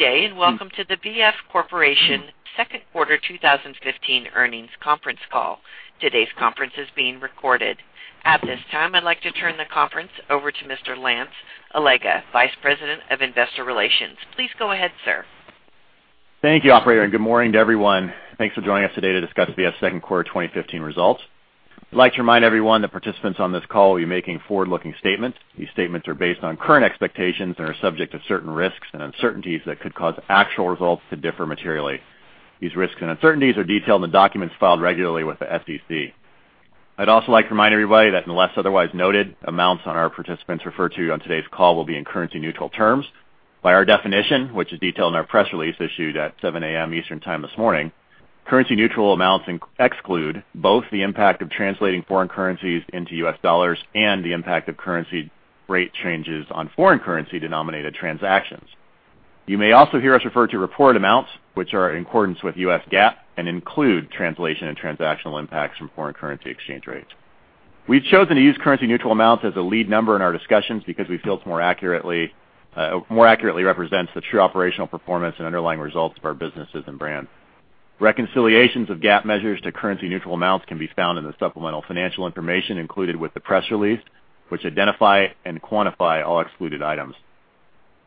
Good day, and welcome to the V.F. Corporation second quarter 2015 earnings conference call. Today's conference is being recorded. At this time, I'd like to turn the conference over to Mr. Lance Allega, Vice President of Investor Relations. Please go ahead, sir. Thank you, operator, good morning to everyone. Thanks for joining us today to discuss V.F.'s second quarter 2015 results. I'd like to remind everyone that participants on this call will be making forward-looking statements. These statements are based on current expectations and are subject to certain risks and uncertainties that could cause actual results to differ materially. These risks and uncertainties are detailed in the documents filed regularly with the SEC. I'd also like to remind everybody that unless otherwise noted, amounts on our participants refer to on today's call will be in currency neutral terms. By our definition, which is detailed in our press release issued at 7:00 A.M. Eastern Time this morning, currency neutral amounts exclude both the impact of translating foreign currencies into U.S. dollars and the impact of currency rate changes on foreign currency denominated transactions. You may also hear us refer to reported amounts, which are in accordance with U.S. GAAP and include translation and transactional impacts from foreign currency exchange rates. We've chosen to use currency neutral amounts as a lead number in our discussions because we feel it more accurately represents the true operational performance and underlying results of our businesses and brands. Reconciliations of GAAP measures to currency neutral amounts can be found in the supplemental financial information included with the press release, which identify and quantify all excluded items.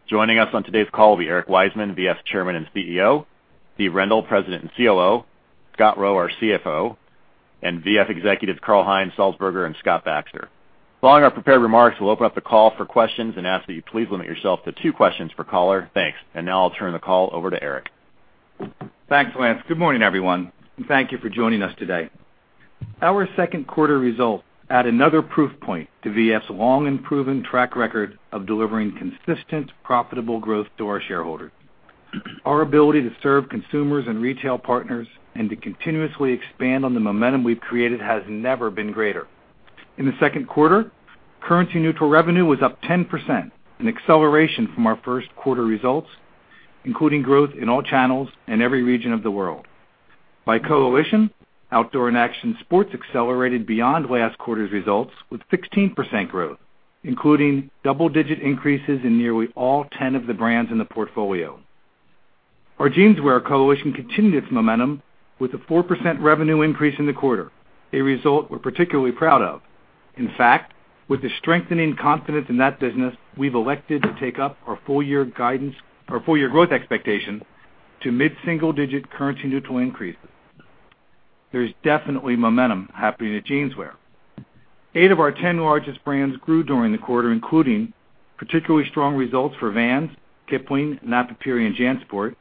Joining us on today's call will be Eric Wiseman, V.F.'s Chairman and CEO, Steve Rendle, President and COO, Scott Roe, our CFO, V.F. executives Karl-Heinz Salzburger and Scott Baxter. Following our prepared remarks, we'll open up the call for questions and ask that you please limit yourself to two questions per caller. Thanks. Now I'll turn the call over to Eric. Thanks, Lance. Good morning, everyone, and thank you for joining us today. Our second quarter results add another proof point to VF's long and proven track record of delivering consistent, profitable growth to our shareholders. Our ability to serve consumers and retail partners and to continuously expand on the momentum we've created has never been greater. In the second quarter, currency neutral revenue was up 10%, an acceleration from our first quarter results, including growth in all channels in every region of the world. By coalition, outdoor and action sports accelerated beyond last quarter's results with 16% growth, including double-digit increases in nearly all 10 of the brands in the portfolio. Our jeanswear coalition continued its momentum with a 4% revenue increase in the quarter, a result we're particularly proud of. In fact, with the strengthening confidence in that business, we've elected to take up our full-year growth expectation to mid-single digit currency neutral increases. There is definitely momentum happening at jeanswear. Eight of our 10 largest brands grew during the quarter, including particularly strong results for Vans, Kipling, Napapijri, and JanSport,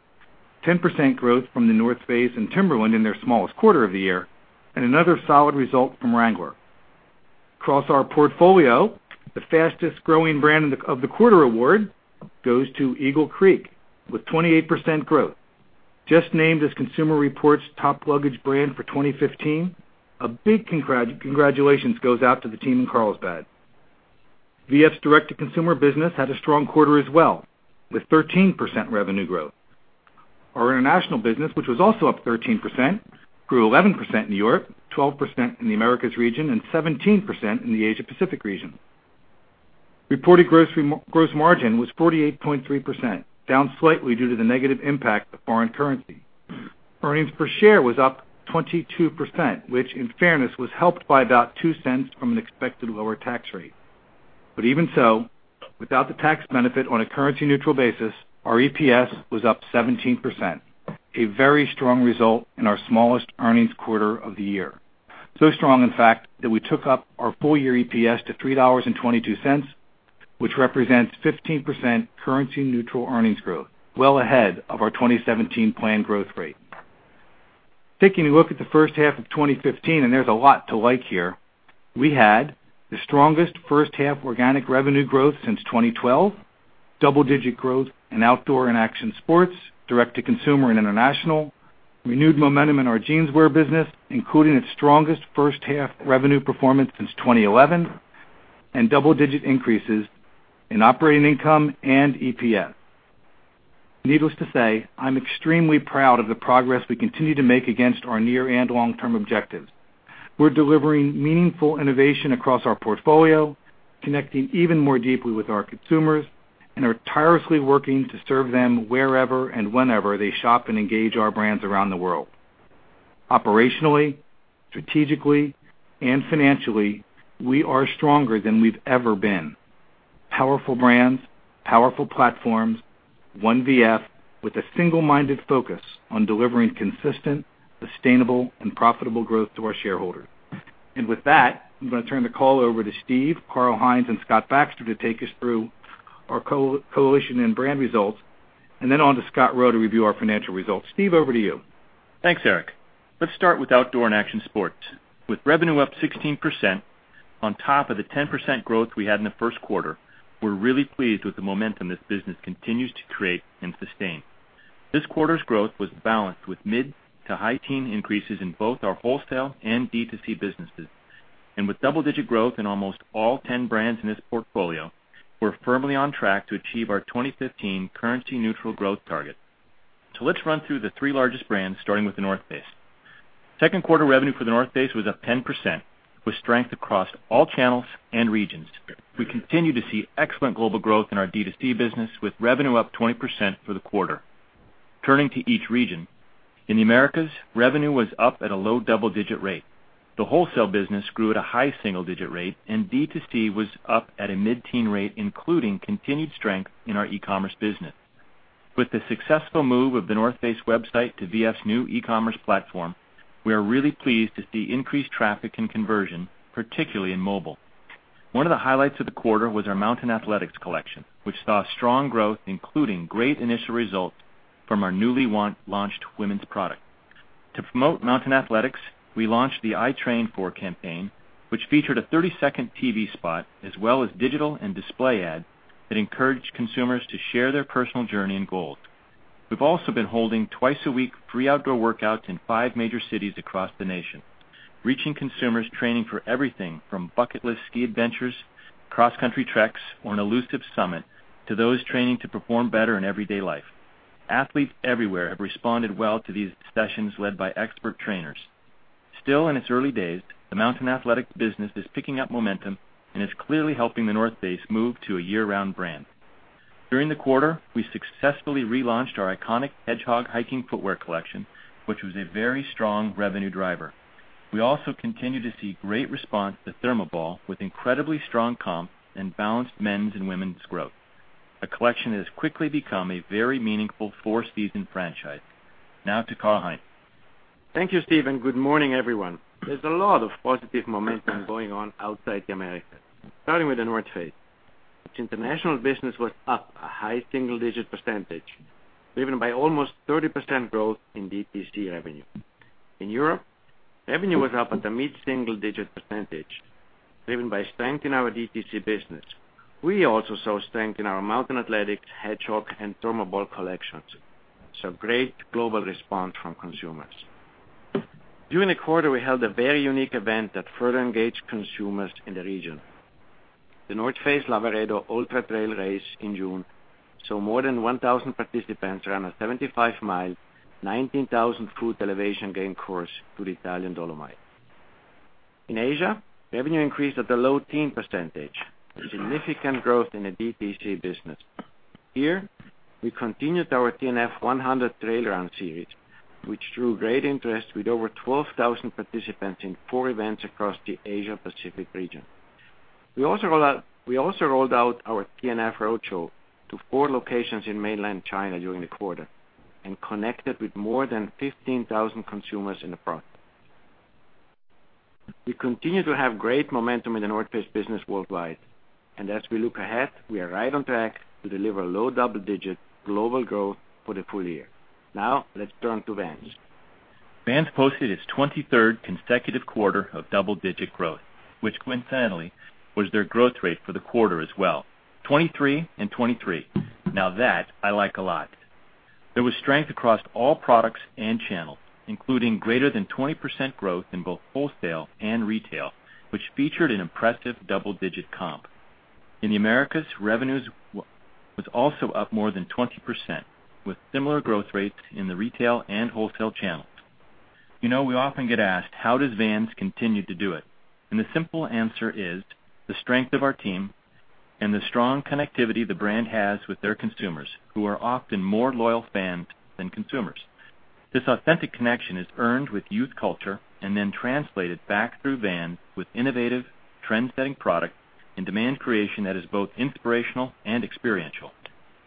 10% growth from The North Face and Timberland in their smallest quarter of the year, and another solid result from Wrangler. Across our portfolio, the fastest-growing brand of the quarter award goes to Eagle Creek with 28% growth. Just named as Consumer Reports' top luggage brand for 2015, a big congratulations goes out to the team in Carlsbad. VF's direct-to-consumer business had a strong quarter as well, with 13% revenue growth. Our international business, which was also up 13%, grew 11% in Europe, 12% in the Americas region, and 17% in the Asia Pacific region. Reported gross margin was 48.3%, down slightly due to the negative impact of foreign currency. Earnings per share was up 22%, which, in fairness, was helped by about $0.02 from an expected lower tax rate. Even so, without the tax benefit on a currency neutral basis, our EPS was up 17%, a very strong result in our smallest earnings quarter of the year. Strong, in fact, that we took up our full-year EPS to $3.22, which represents 15% currency neutral earnings growth, well ahead of our 2017 planned growth rate. Taking a look at the first half of 2015, there's a lot to like here, we had the strongest first-half organic revenue growth since 2012, double-digit growth in outdoor and action sports, direct-to-consumer and international, renewed momentum in our jeanswear business, including its strongest first-half revenue performance since 2011, and double-digit increases in operating income and EPS. Needless to say, I'm extremely proud of the progress we continue to make against our near and long-term objectives. We're delivering meaningful innovation across our portfolio, connecting even more deeply with our consumers, and are tirelessly working to serve them wherever and whenever they shop and engage our brands around the world. Operationally, strategically, and financially, we are stronger than we've ever been. Powerful brands, powerful platforms, one VF with a single-minded focus on delivering consistent, sustainable, and profitable growth to our shareholders. With that, I'm going to turn the call over to Steve Rendle, Karl-Heinz Salzburger, and Scott Baxter to take us through our coalition and brand results, and then on to Scott Roe to review our financial results. Steve, over to you. Thanks, Eric Wiseman. Let's start with outdoor and action sports. Revenue up 16% on top of the 10% growth we had in the first quarter, we're really pleased with the momentum this business continues to create and sustain. This quarter's growth was balanced with mid to high teen increases in both our wholesale and D2C businesses. With double-digit growth in almost all 10 brands in this portfolio, we're firmly on track to achieve our 2015 currency neutral growth target. Let's run through the three largest brands, starting with The North Face. Second quarter revenue for The North Face was up 10%, with strength across all channels and regions. We continue to see excellent global growth in our D2C business, with revenue up 20% for the quarter. Turning to each region. In the Americas, revenue was up at a low double-digit rate. The wholesale business grew at a high single-digit rate, and D2C was up at a mid-teen rate, including continued strength in our e-commerce business. With the successful move of The North Face website to VF's new e-commerce platform, we are really pleased to see increased traffic and conversion, particularly in mobile. One of the highlights of the quarter was our Mountain Athletics collection, which saw strong growth, including great initial results from our newly launched women's product. To promote Mountain Athletics, we launched the I Train For campaign, which featured a 30-second TV spot, as well as digital and display ad that encouraged consumers to share their personal journey and goal. We've also been holding twice-a-week free outdoor workouts in five major cities across the nation, reaching consumers training for everything from bucket list ski adventures, cross-country treks, or an elusive summit, to those training to perform better in everyday life. Athletes everywhere have responded well to these sessions led by expert trainers. Still in its early days, the Mountain Athletics business is picking up momentum and is clearly helping The North Face move to a year-round brand. During the quarter, we successfully relaunched our iconic Hedgehog hiking footwear collection, which was a very strong revenue driver. We also continue to see great response to ThermoBall with incredibly strong comps and balanced men's and women's growth. A collection that has quickly become a very meaningful four-season franchise. Now to Karl-Heinz Salzburger. Thank you, Steve, and good morning, everyone. There's a lot of positive momentum going on outside the Americas. Starting with The North Face. Its international business was up a high single-digit percentage, driven by almost 30% growth in DTC revenue. In Europe, revenue was up at a mid-single-digit percentage, driven by strength in our DTC business. We also saw strength in our Mountain Athletics, Hedgehog, and ThermoBall collections. We saw great global response from consumers. During the quarter, we held a very unique event that further engaged consumers in the region. The North Face Lavaredo Ultra Trail race in June saw more than 1,000 participants run a 75-mile, 19,000-foot elevation gain course through the Italian Dolomites. In Asia, revenue increased at the low teen percentage, with significant growth in the DTC business. Here, we continued our The North Face 100 series, which drew great interest with over 12,000 participants in four events across the Asia Pacific region. We also rolled out our TNF Road Show to four locations in mainland China during the quarter and connected with more than 15,000 consumers in the process. We continue to have great momentum in The North Face business worldwide. As we look ahead, we are right on track to deliver low double-digit global growth for the full year. Now, let's turn to Vans. Vans posted its 23rd consecutive quarter of double-digit growth, which coincidentally was their growth rate for the quarter as well. 23 and 23. Now that, I like a lot. There was strength across all products and channels, including greater than 20% growth in both wholesale and retail, which featured an impressive double-digit comp. In the Americas, revenues was also up more than 20%, with similar growth rates in the retail and wholesale channels. We often get asked, how does Vans continue to do it? The simple answer is the strength of our team and the strong connectivity the brand has with their consumers, who are often more loyal fans than consumers. This authentic connection is earned with youth culture and then translated back through Vans with innovative, trend-setting product and demand creation that is both inspirational and experiential.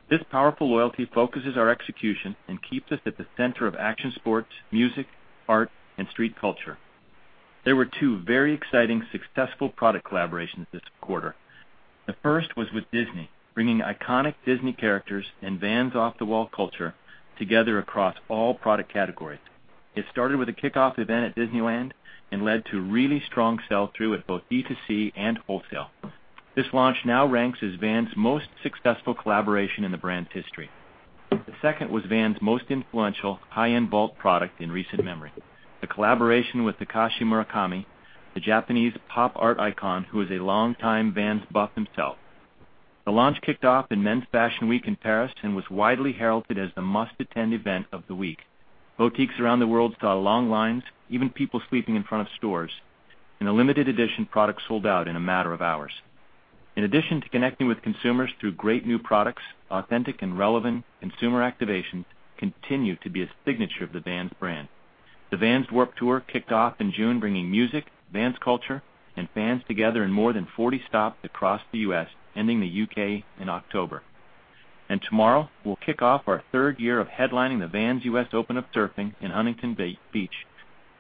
This powerful loyalty focuses our execution and keeps us at the center of action sports, music, art, and street culture. There were two very exciting, successful product collaborations this quarter. The first was with Disney, bringing iconic Disney characters and Vans' off-the-wall culture together across all product categories. It started with a kickoff event at Disneyland and led to really strong sell-through at both D2C and wholesale. This launch now ranks as Vans' most successful collaboration in the brand's history. The second was Vans' most influential high-end Vault product in recent memory, the collaboration with Takashi Murakami, the Japanese pop art icon who is a long-time Vans buff himself. The launch kicked off in Paris Fashion Week Men's and was widely heralded as the must-attend event of the week. Boutiques around the world saw long lines, even people sleeping in front of stores, and the limited edition product sold out in a matter of hours. In addition to connecting with consumers through great new products, authentic and relevant consumer activations continue to be a signature of the Vans brand. The Vans Warped Tour kicked off in June, bringing music, Vans culture, and fans together in more than 40 stops across the U.S., ending in the U.K. in October. Tomorrow, we'll kick off our third year of headlining the Vans US Open of Surfing in Huntington Beach,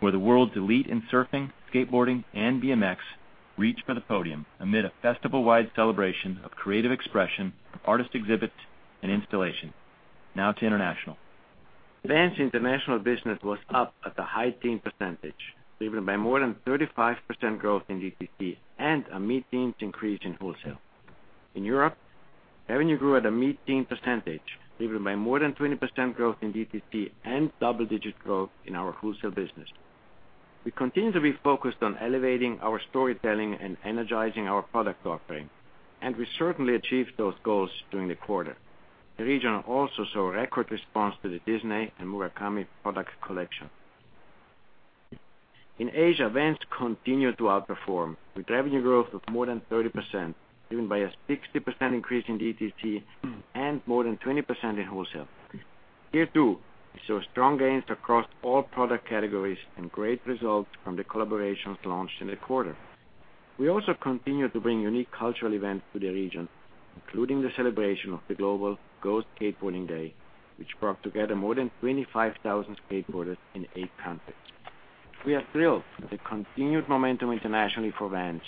where the world's elite in surfing, skateboarding, and BMX reach for the podium amid a festival-wide celebration of creative expression, artist exhibits, and installation. Now to international. Vans' international business was up at the high teen percentage, driven by more than 35% growth in DTC and a mid-teens increase in wholesale. In Europe, revenue grew at a mid-teen percentage, driven by more than 20% growth in DTC and double-digit growth in our wholesale business. We continue to be focused on elevating our storytelling and energizing our product offering, we certainly achieved those goals during the quarter. The region also saw a record response to the Disney and Murakami product collection. In Asia, Vans continued to outperform with revenue growth of more than 30%, driven by a 60% increase in DTC and more than 20% in wholesale. Here, too, we saw strong gains across all product categories and great results from the collaborations launched in the quarter. We also continued to bring unique cultural events to the region, including the celebration of the global Go Skateboarding Day, which brought together more than 25,000 skateboarders in eight countries. We are thrilled with the continued momentum internationally for Vans.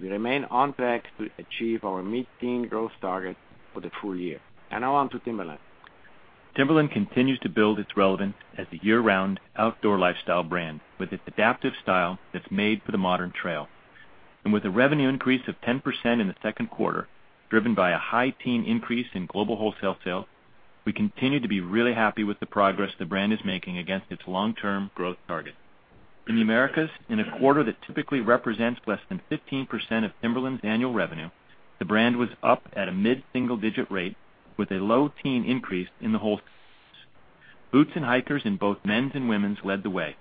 We remain on track to achieve our mid-teen growth target for the full year. Now on to Timberland. Timberland continues to build its relevance as a year-round outdoor lifestyle brand with its adaptive style that's made for the modern trail. With a revenue increase of 10% in the second quarter, driven by a high teen increase in global wholesale sales, we continue to be really happy with the progress the brand is making against its long-term growth target. In the Americas, in a quarter that typically represents less than 15% of Timberland's annual revenue, the brand was up at a mid-single-digit rate with a low teen increase in the wholesale. Boots and hikers in both men's and women's led the way.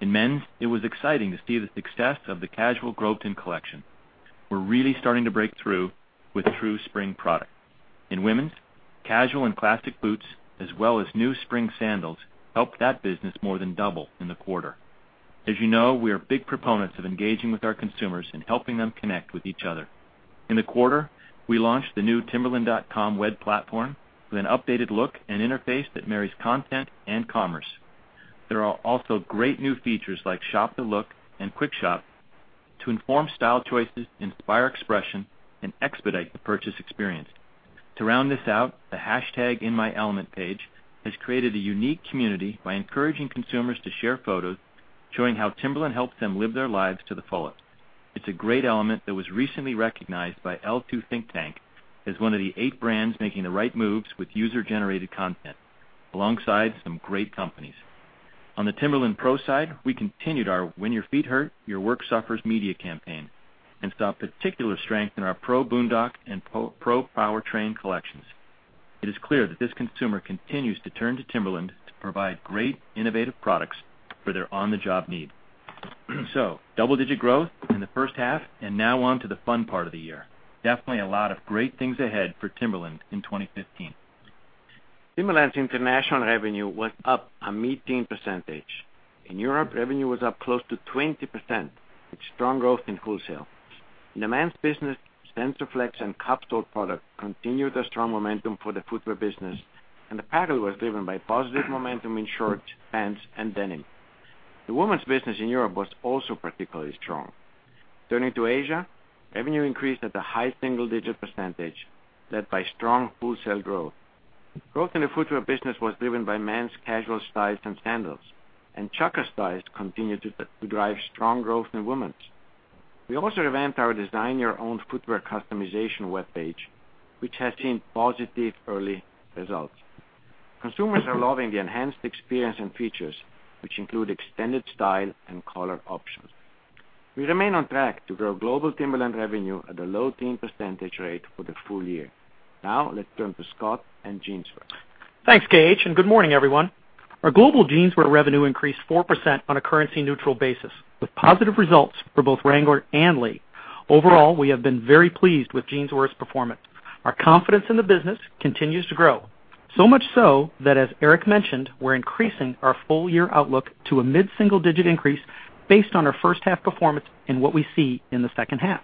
In men's, it was exciting to see the success of the casual Groveton collection. We're really starting to break through with true spring product. In women's, casual and classic boots, as well as new spring sandals, helped that business more than double in the quarter. As you know, we are big proponents of engaging with our consumers and helping them connect with each other. In the quarter, we launched the new timberland.com web platform with an updated look and interface that marries content and commerce. There are also great new features like Shop the Look and Quick Shop to inform style choices, inspire expression, and expedite the purchase experience. To round this out, the hashtag In My Element page has created a unique community by encouraging consumers to share photos showing how Timberland helps them live their lives to the fullest. It is a great element that was recently recognized by L2 Think Tank as one of the eight brands making the right moves with user-generated content, alongside some great companies. On the Timberland PRO side, we continued our When Your Feet Hurt, Your Work Suffers media campaign and saw particular strength in our PRO Boondock and PRO Powertrain collections. It is clear that this consumer continues to turn to Timberland to provide great innovative products for their on-the-job need. Double-digit growth in the first half, and now on to the fun part of the year. Definitely a lot of great things ahead for Timberland in 2015. Timberland's international revenue was up a mid-teen percentage. In Europe, revenue was up close to 20%, with strong growth in wholesale. In the men's business, SensorFlex and cupsole product continued the strong momentum for the footwear business, and apparel was driven by positive momentum in shorts, pants, and denim. The women's business in Europe was also particularly strong. Turning to Asia, revenue increased at a high single-digit percentage, led by strong wholesale growth. Growth in the footwear business was driven by men's casual styles and sandals, and Chukka styles continued to drive strong growth in women's. We also revamped our design your own footwear customization webpage, which has seen positive early results. Consumers are loving the enhanced experience and features, which include extended style and color options. We remain on track to grow global Timberland revenue at a low teen percentage rate for the full year. Now let's turn to Scott and Jeanswear. Thanks, KH, and good morning, everyone. Our global Jeanswear revenue increased 4% on a currency-neutral basis, with positive results for both Wrangler and Lee. Overall, we have been very pleased with Jeanswear's performance. Our confidence in the business continues to grow. So much so that, as Eric mentioned, we're increasing our full-year outlook to a mid-single-digit increase based on our first-half performance and what we see in the second half.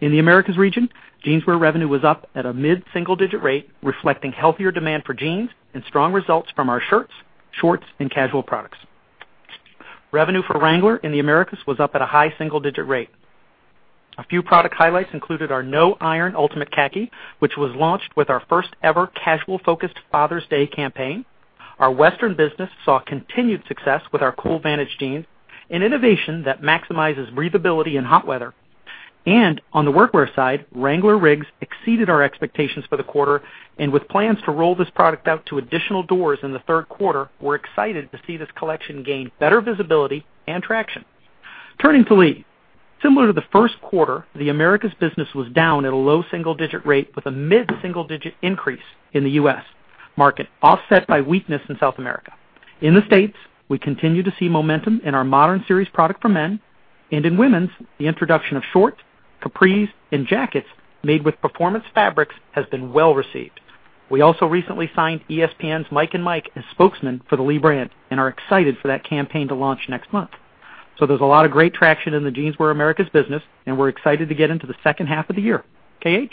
In the Americas region, Jeanswear revenue was up at a mid-single-digit rate, reflecting healthier demand for jeans and strong results from our shirts, shorts, and casual products. Revenue for Wrangler in the Americas was up at a high single-digit rate. A few product highlights included our No Iron Ultimate Khaki, which was launched with our first-ever casual-focused Father's Day campaign. Our Western business saw continued success with our Cool Vantage jeans, an innovation that maximizes breathability in hot weather. On the workwear side, Wrangler RIGGS exceeded our expectations for the quarter. With plans to roll this product out to additional doors in the third quarter, we're excited to see this collection gain better visibility and traction. Turning to Lee. Similar to the first quarter, the Americas business was down at a low single-digit rate with a mid-single-digit increase in the U.S. market, offset by weakness in South America. In the States, we continue to see momentum in our Modern Series product for men, and in women's, the introduction of shorts, capris, and jackets made with performance fabrics has been well-received. We also recently signed ESPN's Mike and Mike as spokesmen for the Lee brand and are excited for that campaign to launch next month. There's a lot of great traction in the Jeanswear Americas business, and we're excited to get into the second half of the year. KH?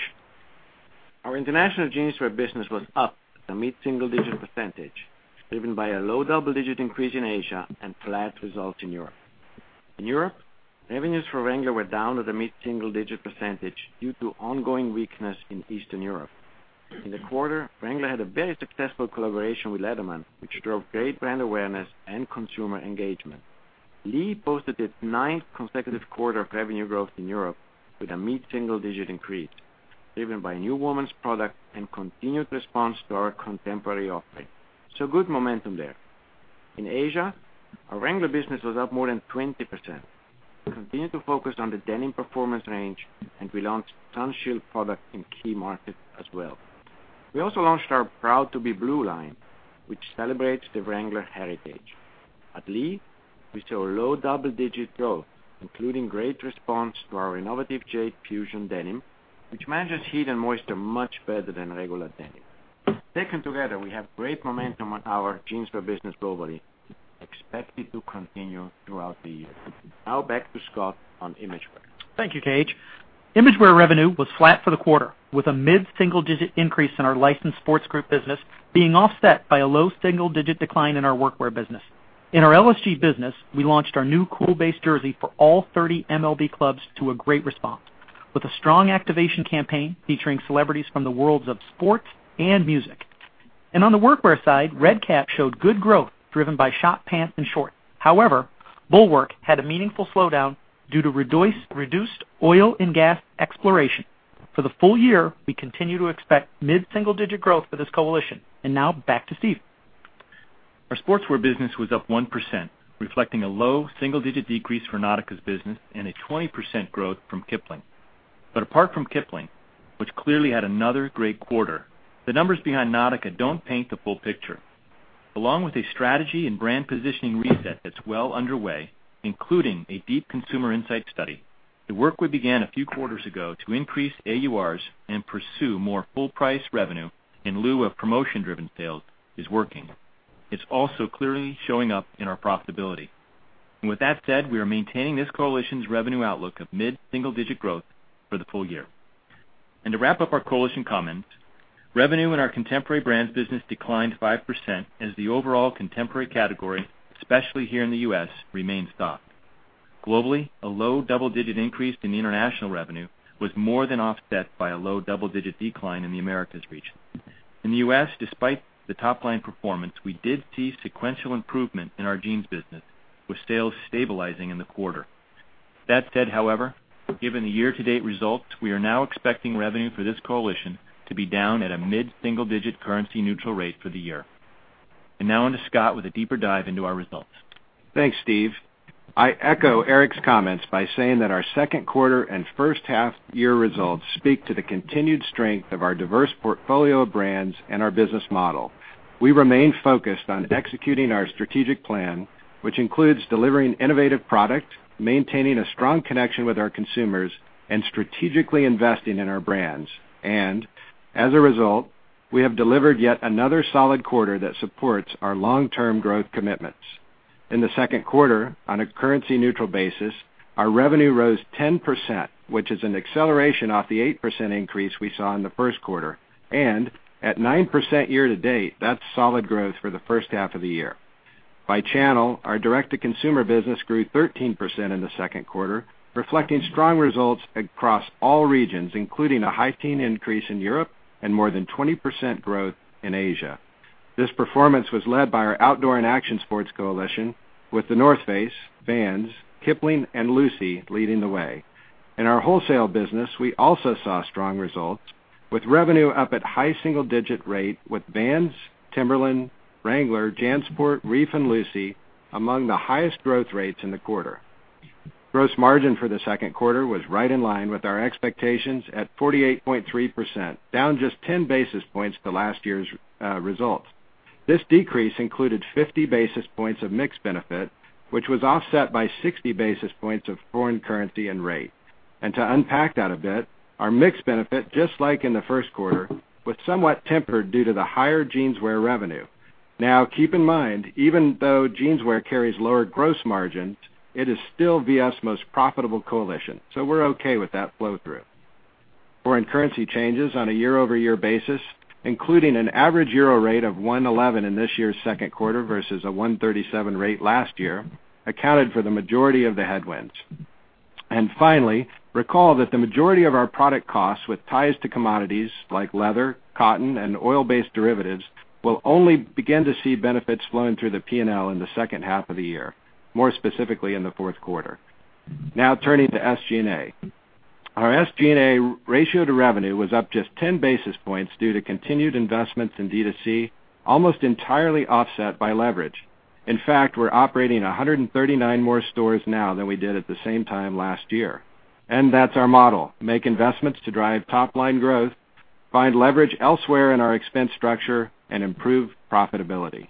Our international Jeanswear business was up at a mid-single-digit percentage, driven by a low double-digit increase in Asia and flat results in Europe. In Europe, revenues for Wrangler were down at a mid-single-digit percentage due to ongoing weakness in Eastern Europe. In the quarter, Wrangler had a very successful collaboration with Leatherman, which drove great brand awareness and consumer engagement. Lee posted its ninth consecutive quarter of revenue growth in Europe with a mid-single-digit increase driven by new women's products and continued response to our contemporary offering. Good momentum there. In Asia, our Wrangler business was up more than 20%. We continued to focus on the denim performance range, and we launched sun shield products in key markets as well. We also launched our Proud to Be Blue line, which celebrates the Wrangler heritage. At Lee, we saw low double-digit growth, including great response to our innovative Jade Fusion denim, which manages heat and moisture much better than regular denim. Taken together, we have great momentum on our jeanswear business globally, expected to continue throughout the year. Now back to Scott on Imagewear. Thank you, KH. Imagewear revenue was flat for the quarter, with a mid-single-digit increase in our licensed sports group business being offset by a low single-digit decline in our workwear business. In our LSG business, we launched our new Cool Base jersey for all 30 MLB clubs to a great response, with a strong activation campaign featuring celebrities from the worlds of sports and music. On the workwear side, Red Kap showed good growth driven by shop pants and shorts. However, Bulwark had a meaningful slowdown due to reduced oil and gas exploration. For the full year, we continue to expect mid-single-digit growth for this coalition. Now back to Steve. Our sportswear business was up 1%, reflecting a low single-digit decrease for Nautica's business and 20% growth from Kipling. Apart from Kipling, which clearly had another great quarter, the numbers behind Nautica don't paint the full picture. Along with a strategy and brand positioning reset that's well underway, including a deep consumer insight study, the work we began a few quarters ago to increase AURs and pursue more full-price revenue in lieu of promotion-driven sales is working. It's also clearly showing up in our profitability. With that said, we are maintaining this coalition's revenue outlook of mid-single-digit growth for the full year. To wrap up our coalition comments, revenue in our contemporary brands business declined 5% as the overall contemporary category, especially here in the U.S., remains soft. Globally, a low double-digit increase in international revenue was more than offset by a low double-digit decline in the Americas region. In the U.S., despite the top-line performance, we did see sequential improvement in our jeans business, with sales stabilizing in the quarter. That said, however, given the year-to-date results, we are now expecting revenue for this coalition to be down at a mid-single-digit currency neutral rate for the year. Now on to Scott with a deeper dive into our results. Thanks, Steve. I echo Eric's comments by saying that our second quarter and first-half year results speak to the continued strength of our diverse portfolio of brands and our business model. We remain focused on executing our strategic plan, which includes delivering innovative product, maintaining a strong connection with our consumers, and strategically investing in our brands. As a result, we have delivered yet another solid quarter that supports our long-term growth commitments. In the second quarter, on a currency-neutral basis, our revenue rose 10%, which is an acceleration off the 8% increase we saw in the first quarter. At 9% year to date, that's solid growth for the first half of the year. By channel, our direct-to-consumer business grew 13% in the second quarter, reflecting strong results across all regions, including a high teen increase in Europe and more than 20% growth in Asia. This performance was led by our outdoor and action sports coalition with The North Face, Vans, Kipling, and Lucy leading the way. In our wholesale business, we also saw strong results, with revenue up at high single-digit rate with Vans, Timberland, Wrangler, JanSport, Reef, and Lucy among the highest growth rates in the quarter. Gross margin for the second quarter was right in line with our expectations at 48.3%, down just 10 basis points to last year's results. This decrease included 50 basis points of mix benefit, which was offset by 60 basis points of foreign currency and rate. To unpack that a bit, our mix benefit, just like in the first quarter, was somewhat tempered due to the higher jeanswear revenue. Now, keep in mind, even though jeanswear carries lower gross margins, it is still VF's most profitable coalition, so we're okay with that flow-through. Foreign currency changes on a year-over-year basis, including an average euro rate of 111 in this year's second quarter versus a 137 rate last year, accounted for the majority of the headwinds. Finally, recall that the majority of our product costs with ties to commodities like leather, cotton, and oil-based derivatives will only begin to see benefits flowing through the P&L in the second half of the year, more specifically in the fourth quarter. Now turning to SG&A. Our SG&A ratio to revenue was up just 10 basis points due to continued investments in D2C, almost entirely offset by leverage. In fact, we're operating 139 more stores now than we did at the same time last year. That's our model: make investments to drive top-line growth, find leverage elsewhere in our expense structure, and improve profitability.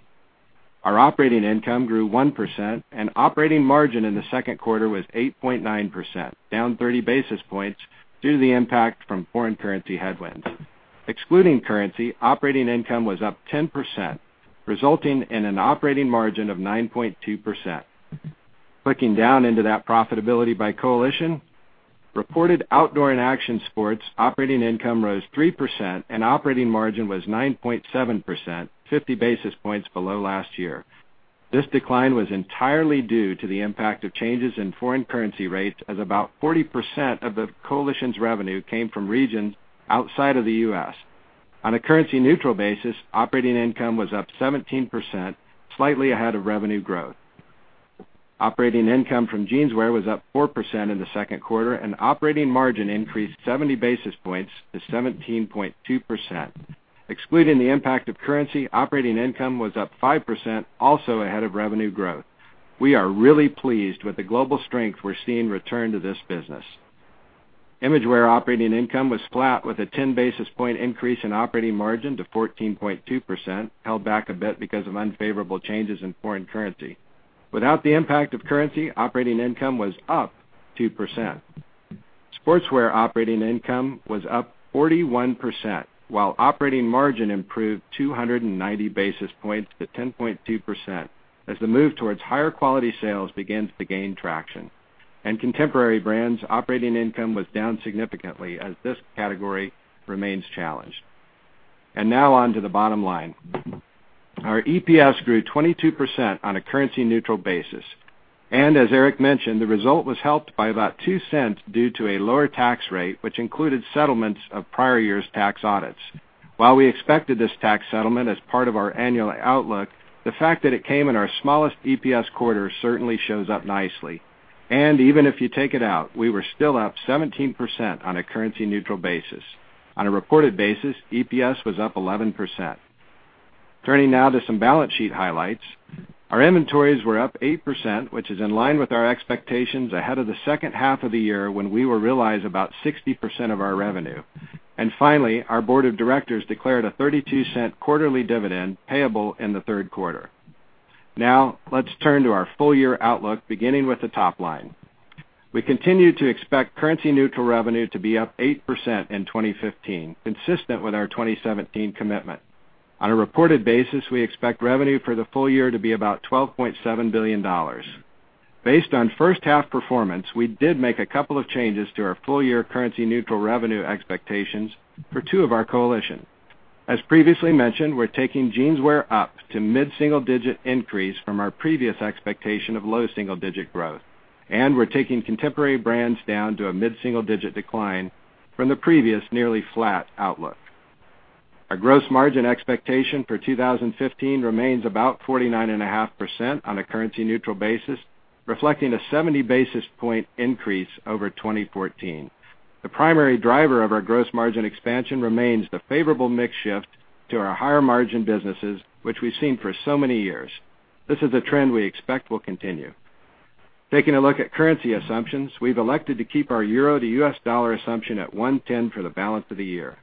Our operating income grew 1% and operating margin in the second quarter was 8.9%, down 30 basis points due to the impact from foreign currency headwinds. Excluding currency, operating income was up 10%, resulting in an operating margin of 9.2%. Clicking down into that profitability by coalition, reported outdoor and action sports operating income rose 3% and operating margin was 9.7%, 50 basis points below last year. This decline was entirely due to the impact of changes in foreign currency rates as about 40% of the coalition's revenue came from regions outside of the U.S. On a currency-neutral basis, operating income was up 17%, slightly ahead of revenue growth. Operating income from jeanswear was up 4% in the second quarter, and operating margin increased 70 basis points to 17.2%. Excluding the impact of currency, operating income was up 5%, also ahead of revenue growth. We are really pleased with the global strength we're seeing return to this business. Imagewear operating income was flat with a 10 basis point increase in operating margin to 14.2%, held back a bit because of unfavorable changes in foreign currency. Without the impact of currency, operating income was up 2%. Sportswear operating income was up 41%, while operating margin improved 290 basis points to 10.2%, as the move towards higher quality sales begins to gain traction. Contemporary Brands operating income was down significantly as this category remains challenged. Now on to the bottom line. Our EPS grew 22% on a currency-neutral basis. As Eric mentioned, the result was helped by about $0.02 due to a lower tax rate, which included settlements of prior year's tax audits. While we expected this tax settlement as part of our annual outlook, the fact that it came in our smallest EPS quarter certainly shows up nicely. Even if you take it out, we were still up 17% on a currency neutral basis. On a reported basis, EPS was up 11%. Turning now to some balance sheet highlights. Our inventories were up 8%, which is in line with our expectations ahead of the second half of the year when we will realize about 60% of our revenue. Finally, our board of directors declared a $0.32 quarterly dividend payable in the third quarter. Now let's turn to our full-year outlook, beginning with the top line. We continue to expect currency neutral revenue to be up 8% in 2015, consistent with our 2017 commitment. On a reported basis, we expect revenue for the full year to be about $12.7 billion. Based on first half performance, we did make a couple of changes to our full-year currency neutral revenue expectations for two of our coalition. As previously mentioned, we're taking Jeanswear up to mid-single-digit increase from our previous expectation of low single-digit growth. We're taking Contemporary Brands down to a mid-single-digit decline from the previous nearly flat outlook. Our gross margin expectation for 2015 remains about 49.5% on a currency neutral basis, reflecting a 70 basis point increase over 2014. The primary driver of our gross margin expansion remains the favorable mix shift to our higher margin businesses, which we've seen for so many years. This is a trend we expect will continue. Taking a look at currency assumptions, we've elected to keep our EUR to USD assumption at 110 for the balance of the year.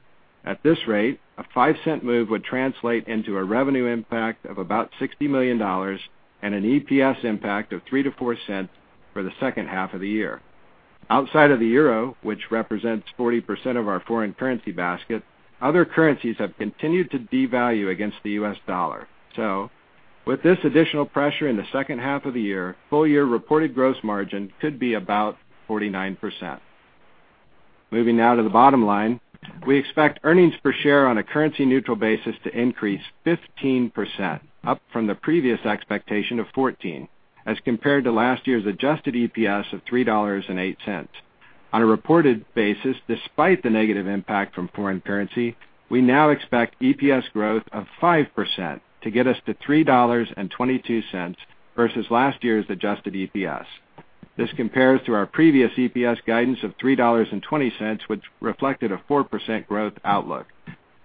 At this rate, a $0.05 move would translate into a revenue impact of about $60 million and an EPS impact of $0.03-$0.04 for the second half of the year. Outside of the EUR, which represents 40% of our foreign currency basket, other currencies have continued to devalue against the USD. With this additional pressure in the second half of the year, full-year reported gross margin could be about 49%. Moving now to the bottom line. We expect earnings per share on a currency neutral basis to increase 15%, up from the previous expectation of 14, as compared to last year's adjusted EPS of $3.08. On a reported basis, despite the negative impact from foreign currency, we now expect EPS growth of 5% to get us to $3.22 versus last year's adjusted EPS. This compares to our previous EPS guidance of $3.20, which reflected a 4% growth outlook.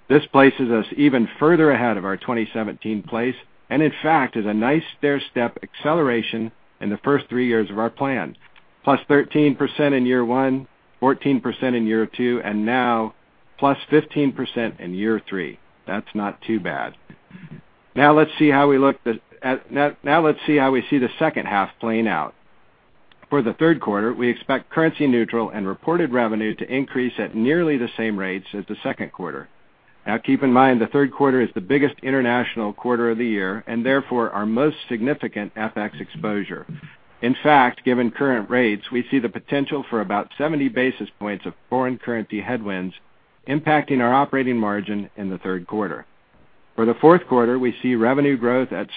This places us even further ahead of our 2017 place, and in fact, is a nice stairstep acceleration in the first three years of our plan. +13% in year one, +14% in year two, and now +15% in year three. That's not too bad. Let's see how we see the second half playing out. For the third quarter, we expect currency neutral and reported revenue to increase at nearly the same rates as the second quarter. Keep in mind the third quarter is the biggest international quarter of the year and therefore our most significant FX exposure. In fact, given current rates, we see the potential for about 70 basis points of foreign currency headwinds impacting our operating margin in the third quarter. For the fourth quarter, we see revenue growth at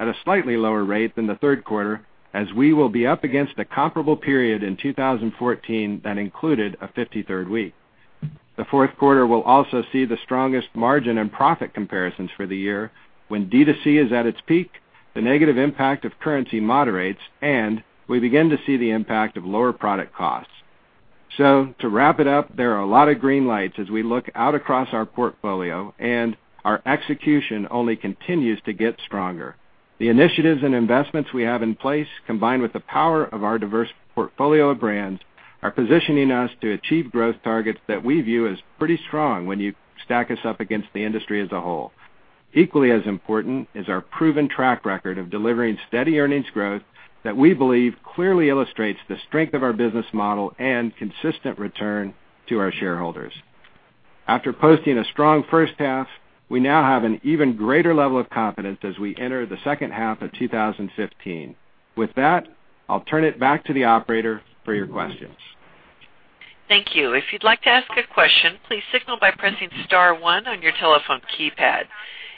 a slightly lower rate than the third quarter, as we will be up against a comparable period in 2014 that included a 53rd week. The fourth quarter will also see the strongest margin and profit comparisons for the year when D2C is at its peak, the negative impact of currency moderates, and we begin to see the impact of lower product costs. To wrap it up, there are a lot of green lights as we look out across our portfolio, and our execution only continues to get stronger. The initiatives and investments we have in place, combined with the power of our diverse portfolio of brands, are positioning us to achieve growth targets that we view as pretty strong when you stack us up against the industry as a whole. Equally as important is our proven track record of delivering steady earnings growth that we believe clearly illustrates the strength of our business model and consistent return to our shareholders. After posting a strong first half, we now have an even greater level of confidence as we enter the second half of 2015. With that, I'll turn it back to the operator for your questions. Thank you. If you'd like to ask a question, please signal by pressing *1 on your telephone keypad.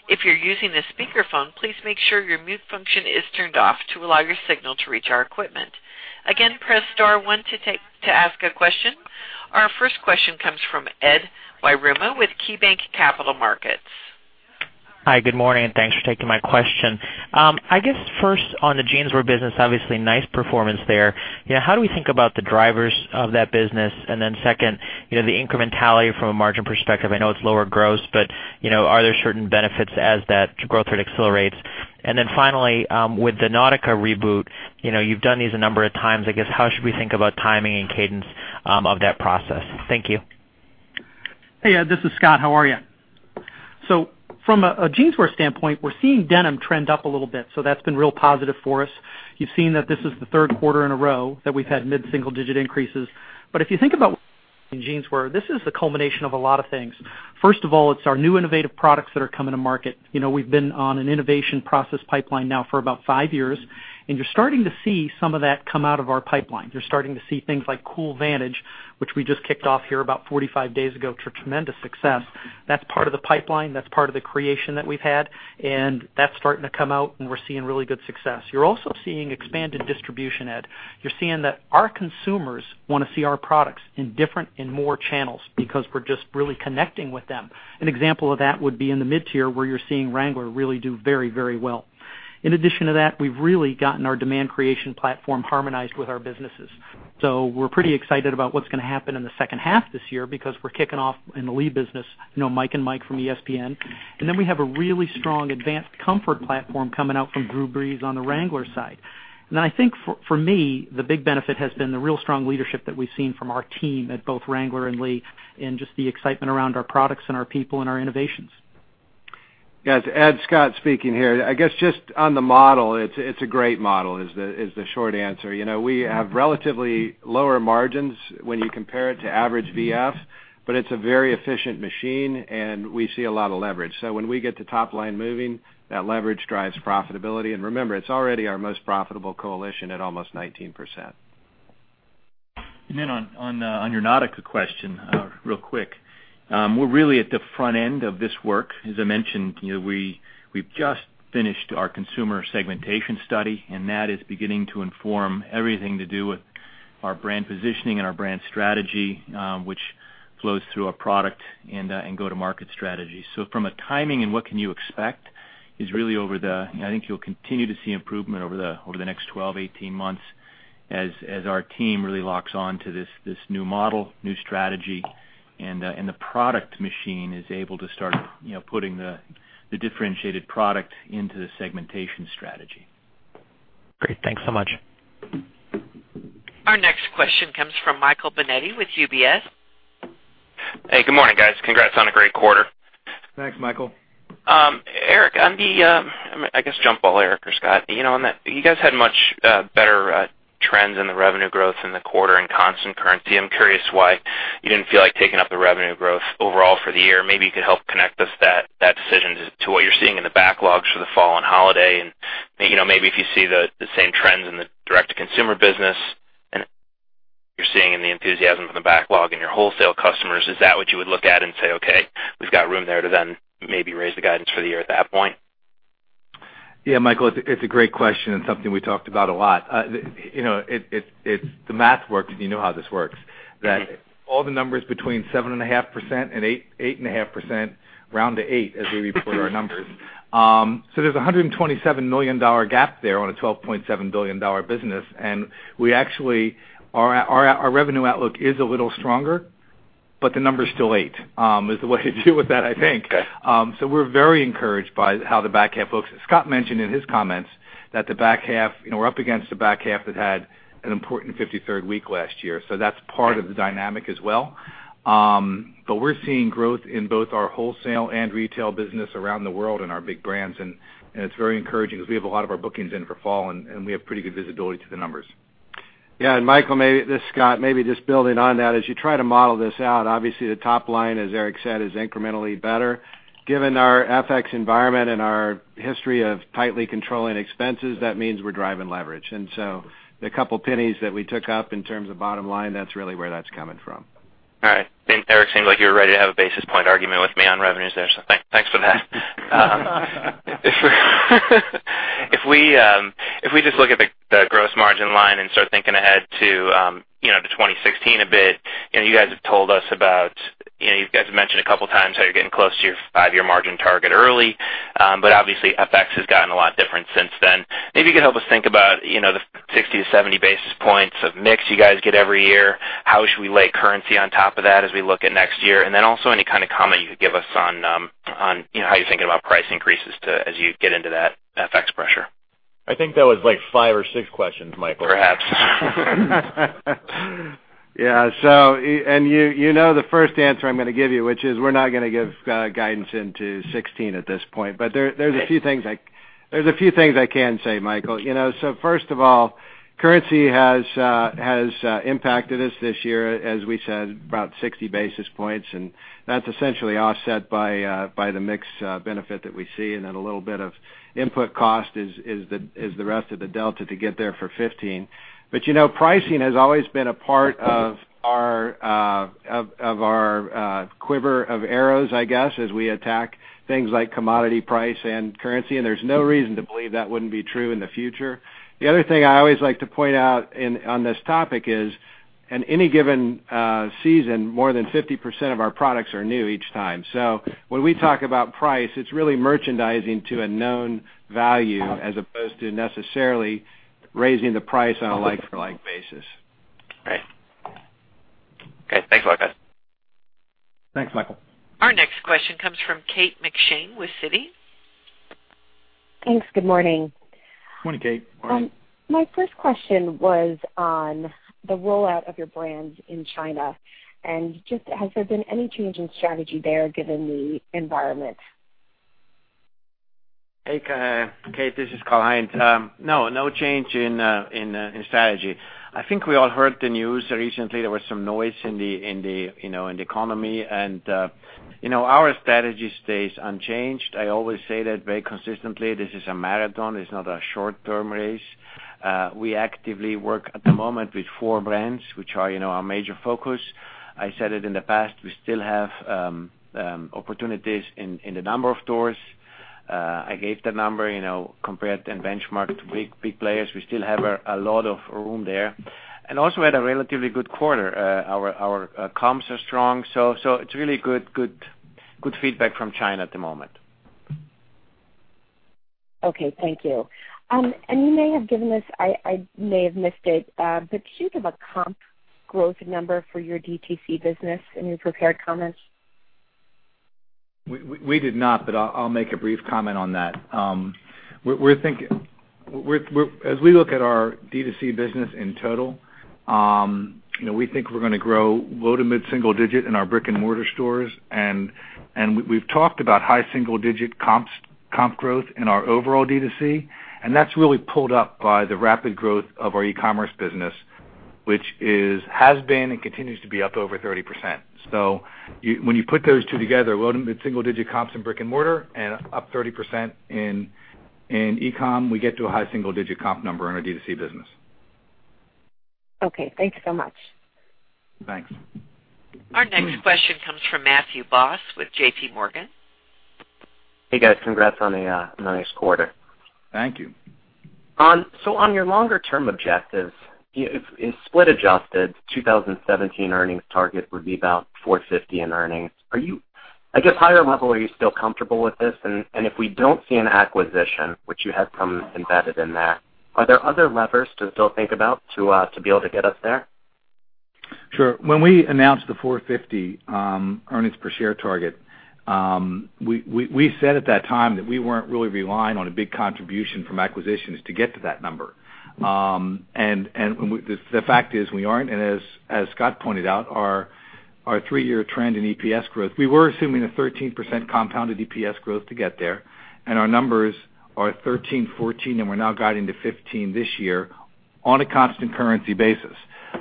If you're using a speakerphone, please make sure your mute function is turned off to allow your signal to reach our equipment. Again, press *1 to ask a question. Our first question comes from Edward Yruma with KeyBanc Capital Markets. Hi, good morning, and thanks for taking my question. I guess first on the jeanswear business, obviously nice performance there. How do we think about the drivers of that business? Second, the incrementality from a margin perspective. I know it's lower gross, but are there certain benefits as that growth rate accelerates? Finally, with the Nautica reboot, you've done these a number of times. I guess, how should we think about timing and cadence of that process? Thank you. Hey, Ed. This is Scott. How are you? From a jeanswear standpoint, we're seeing denim trend up a little bit. That's been real positive for us. You've seen that this is the third quarter in a row that we've had mid-single-digit increases. If you think about in jeanswear, this is the culmination of a lot of things. First of all, it's our new innovative products that are coming to market. We've been on an innovation process pipeline now for about five years, and you're starting to see some of that come out of our pipeline. You're starting to see things like Cool Vantage, which we just kicked off here about 45 days ago to tremendous success. That's part of the pipeline. That's part of the creation that we've had, and that's starting to come out, and we're seeing really good success. You're also seeing expanded distribution, Ed. You're seeing that our consumers want to see our products in different and more channels because we're just really connecting with them. An example of that would be in the mid-tier, where you're seeing Wrangler really do very, very well. In addition to that, we've really gotten our demand creation platform harmonized with our businesses. We're pretty excited about what's going to happen in the second half this year because we're kicking off in the Lee business, Mike & Mike from ESPN. We have a really strong Advanced Comfort platform coming out from Drew Brees on the Wrangler side. I think for me, the big benefit has been the real strong leadership that we've seen from our team at both Wrangler and Lee, and just the excitement around our products and our people and our innovations. Guys, Ed, Scott speaking here. I guess just on the model, it's a great model is the short answer. We have relatively lower margins when you compare it to average V.F., but it's a very efficient machine, and we see a lot of leverage. When we get the top line moving, that leverage drives profitability. Remember, it's already our most profitable coalition at almost 19%. On your Nautica question, real quick. We're really at the front end of this work. As I mentioned, we've just finished our consumer segmentation study, and that is beginning to inform everything to do with our brand positioning and our brand strategy, which flows through our product and go-to-market strategy. From a timing and what can you expect is really I think you'll continue to see improvement over the next 12, 18 months as our team really locks on to this new model, new strategy, and the product machine is able to start putting the differentiated product into the segmentation strategy. Great. Thanks so much. Our next question comes from Michael Binetti with UBS. Hey, good morning, guys. Congrats on a great quarter. Thanks, Michael. Eric, I guess jump ball, Eric Wiseman or Scott Roe. You guys had much better trends in the revenue growth in the quarter in constant currency. I'm curious why you didn't feel like taking up the revenue growth overall for the year. Maybe you could help connect us that decision to what you're seeing in the backlogs for the fall and holiday, and maybe if you see the same trends in the direct-to-consumer business, and you're seeing in the enthusiasm for the backlog in your wholesale customers. Is that what you would look at and say, "Okay, we've got room there to then maybe raise the guidance for the year at that point? Yeah, Michael, it's a great question and something we talked about a lot. The math works, you know how this works. Okay. All the numbers between 7.5% and 8.5% round to eight as we report our numbers. There's $127 million gap there on a $12.7 billion business, our revenue outlook is a little stronger, the number's still eight, is the way to deal with that, I think. Okay. We're very encouraged by how the back half looks. Scott mentioned in his comments that we're up against the back half that had an important 53rd week last year. That's part of the dynamic as well. We're seeing growth in both our wholesale and retail business around the world in our big brands, and it's very encouraging because we have a lot of our bookings in for fall, and we have pretty good visibility to the numbers. Yeah. Michael, this is Scott. Maybe just building on that. As you try to model this out, obviously the top line, as Eric said, is incrementally better. Given our FX environment and our history of tightly controlling expenses, that means we're driving leverage. The couple pennies that we took up in terms of bottom line, that's really where that's coming from. All right. Eric, seemed like you were ready to have a basis point argument with me on revenues there, so thanks for that. We just look at the gross margin line and start thinking ahead to 2016 a bit, you guys have mentioned a couple of times how you're getting close to your five-year margin target early. Obviously, FX has gotten a lot different since then. Maybe you could help us think about the 60-70 basis points of mix you guys get every year. How should we lay currency on top of that as we look at next year? Then also any kind of comment you could give us on how you're thinking about price increases as you get into that FX pressure. I think that was like five or six questions, Michael. Perhaps. Yeah. You know the first answer I'm going to give you, which is we're not going to give guidance into 2016 at this point. There's a few things I can say, Michael. First of all, currency has impacted us this year, as we said, about 60 basis points, and that's essentially offset by the mix benefit that we see and then a little bit of input cost is the rest of the delta to get there for 2015. Pricing has always been a part of our quiver of arrows, I guess, as we attack things like commodity price and currency, and there's no reason to believe that wouldn't be true in the future. The other thing I always like to point out on this topic is in any given season, more than 50% of our products are new each time. When we talk about price, it's really merchandising to a known value as opposed to necessarily raising the price on a like-for-like basis. Right. Okay, thanks a lot, guys. Thanks, Michael. Our next question comes from Kate McShane with Citi. Thanks. Good morning. Morning, Kate. My first question was on the rollout of your brands in China, and just has there been any change in strategy there given the environment? Hey, Kate. This is Karl-Heinz. No change in strategy. I think we all heard the news recently. There was some noise in the economy. Our strategy stays unchanged. I always say that very consistently. This is a marathon. It's not a short-term race. We actively work at the moment with four brands, which are our major focus. I said it in the past, we still have opportunities in the number of stores. I gave the number. Compared and benchmarked to big players, we still have a lot of room there. Also had a relatively good quarter. Our comps are strong, so it's really good feedback from China at the moment. Okay. Thank you. You may have given this, I may have missed it, but could you give a comp growth number for your DTC business in your prepared comments? We did not, but I'll make a brief comment on that. As we look at our D2C business in total, we think we're going to grow low to mid single digit in our brick-and-mortar stores. We've talked about high single digit comp growth in our overall D2C, and that's really pulled up by the rapid growth of our e-commerce business, which has been and continues to be up over 30%. When you put those two together, low to mid single digit comps in brick-and-mortar and up 30% in e-com, we get to a high single digit comp number in our D2C business. Okay, thanks so much. Thanks. Our next question comes from Matthew Boss with JPMorgan. Hey, guys. Congrats on a nice quarter. Thank you. On your longer term objectives, in split adjusted 2017 earnings target would be about $450 in earnings. I guess higher level, are you still comfortable with this? If we don't see an acquisition, which you had some embedded in there, are there other levers to still think about to be able to get us there? Sure. When we announced the 450 earnings per share target, we said at that time that we weren't really relying on a big contribution from acquisitions to get to that number. The fact is, we aren't. As Scott pointed out, our three-year trend in EPS growth, we were assuming a 13% compounded EPS growth to get there. Our numbers are 13, 14, and we're now guiding to 15 this year on a constant currency basis.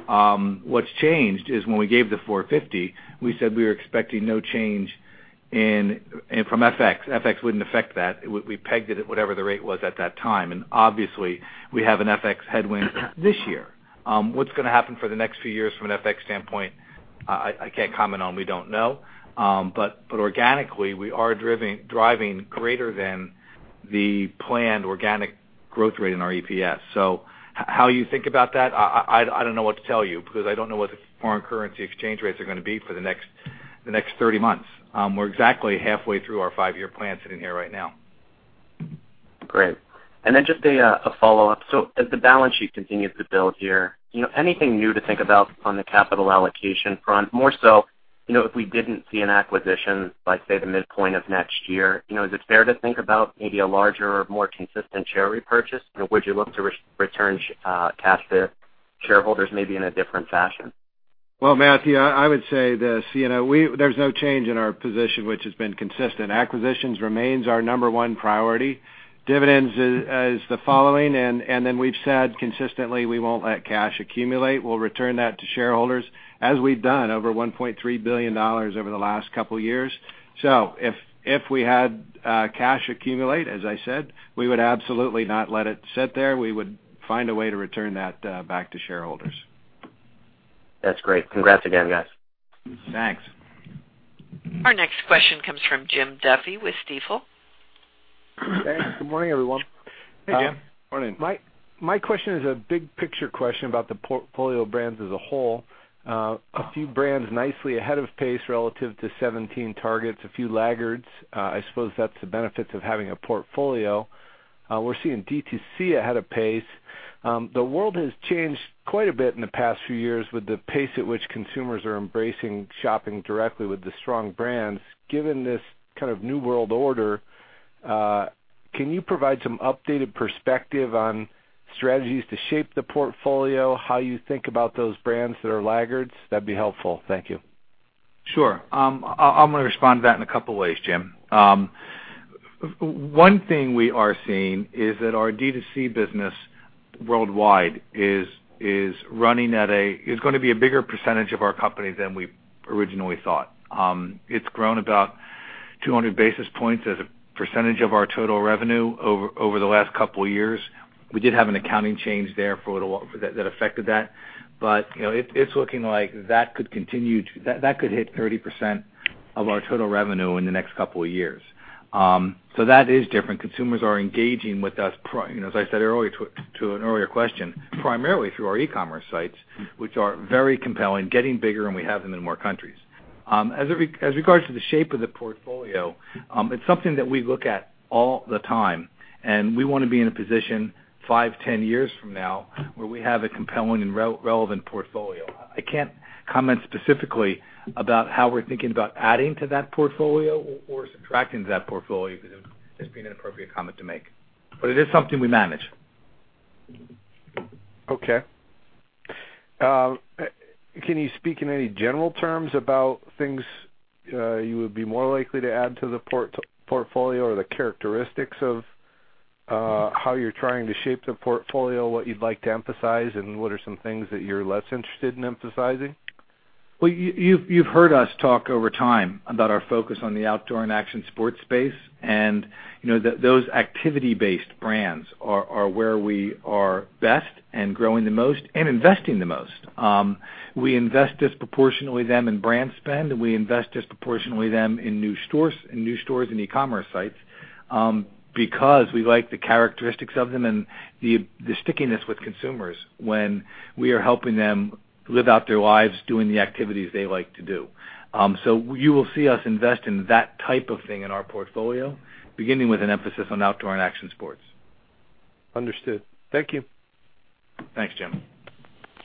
What's changed is when we gave the 450, we said we were expecting no change from FX. FX wouldn't affect that. We pegged it at whatever the rate was at that time. Obviously, we have an FX headwind this year. What's going to happen for the next few years from an FX standpoint, I can't comment on. We don't know. Organically, we are driving greater than the planned organic growth rate in our EPS. How you think about that, I don't know what to tell you because I don't know what the foreign currency exchange rates are going to be for the next 30 months. We're exactly halfway through our five-year plan sitting here right now. Great. Just a follow-up. As the balance sheet continues to build here, anything new to think about on the capital allocation front? More so, if we didn't see an acquisition by, say, the midpoint of next year, is it fair to think about maybe a larger, more consistent share repurchase? Would you look to return cash to shareholders maybe in a different fashion? Well, Matthew, I would say this. There's no change in our position, which has been consistent. Acquisitions remains our number one priority. Dividends is the following. We've said consistently we won't let cash accumulate. We'll return that to shareholders, as we've done over $1.3 billion over the last couple of years. If we had cash accumulate, as I said, we would absolutely not let it sit there. We would find a way to return that back to shareholders. That's great. Congrats again, guys. Thanks. Our next question comes from Jim Duffy with Stifel. Thanks. Good morning, everyone. Hey, Jim. Morning. My question is a big picture question about the portfolio of brands as a whole. A few brands nicely ahead of pace relative to 2017 targets, a few laggards. I suppose that's the benefits of having a portfolio. We're seeing DTC ahead of pace. The world has changed quite a bit in the past few years with the pace at which consumers are embracing shopping directly with the strong brands. Given this kind of new world order, can you provide some updated perspective on strategies to shape the portfolio, how you think about those brands that are laggards? That'd be helpful. Thank you. Sure. I'm going to respond to that in a couple ways, Jim. One thing we are seeing is that our D2C business worldwide is going to be a bigger percentage of our company than we originally thought. It's grown about 200 basis points as a percentage of our total revenue over the last couple of years. We did have an accounting change there that affected that. It's looking like that could hit 30%. Of our total revenue in the next couple of years. That is different. Consumers are engaging with us, as I said to an earlier question, primarily through our e-commerce sites, which are very compelling, getting bigger, and we have them in more countries. As regards to the shape of the portfolio, it's something that we look at all the time, and we want to be in a position five, 10 years from now, where we have a compelling and relevant portfolio. I can't comment specifically about how we're thinking about adding to that portfolio or subtracting to that portfolio because it would just be an inappropriate comment to make. It is something we manage. Okay. Can you speak in any general terms about things you would be more likely to add to the portfolio or the characteristics of how you're trying to shape the portfolio, what you'd like to emphasize, and what are some things that you're less interested in emphasizing? You've heard us talk over time about our focus on the outdoor and action sports space. Those activity-based brands are where we are best and growing the most and investing the most. We invest disproportionately then in brand spend, and we invest disproportionately then in new stores and e-commerce sites, because we like the characteristics of them and the stickiness with consumers when we are helping them live out their lives doing the activities they like to do. You will see us invest in that type of thing in our portfolio, beginning with an emphasis on outdoor and action sports. Understood. Thank you. Thanks, Jim.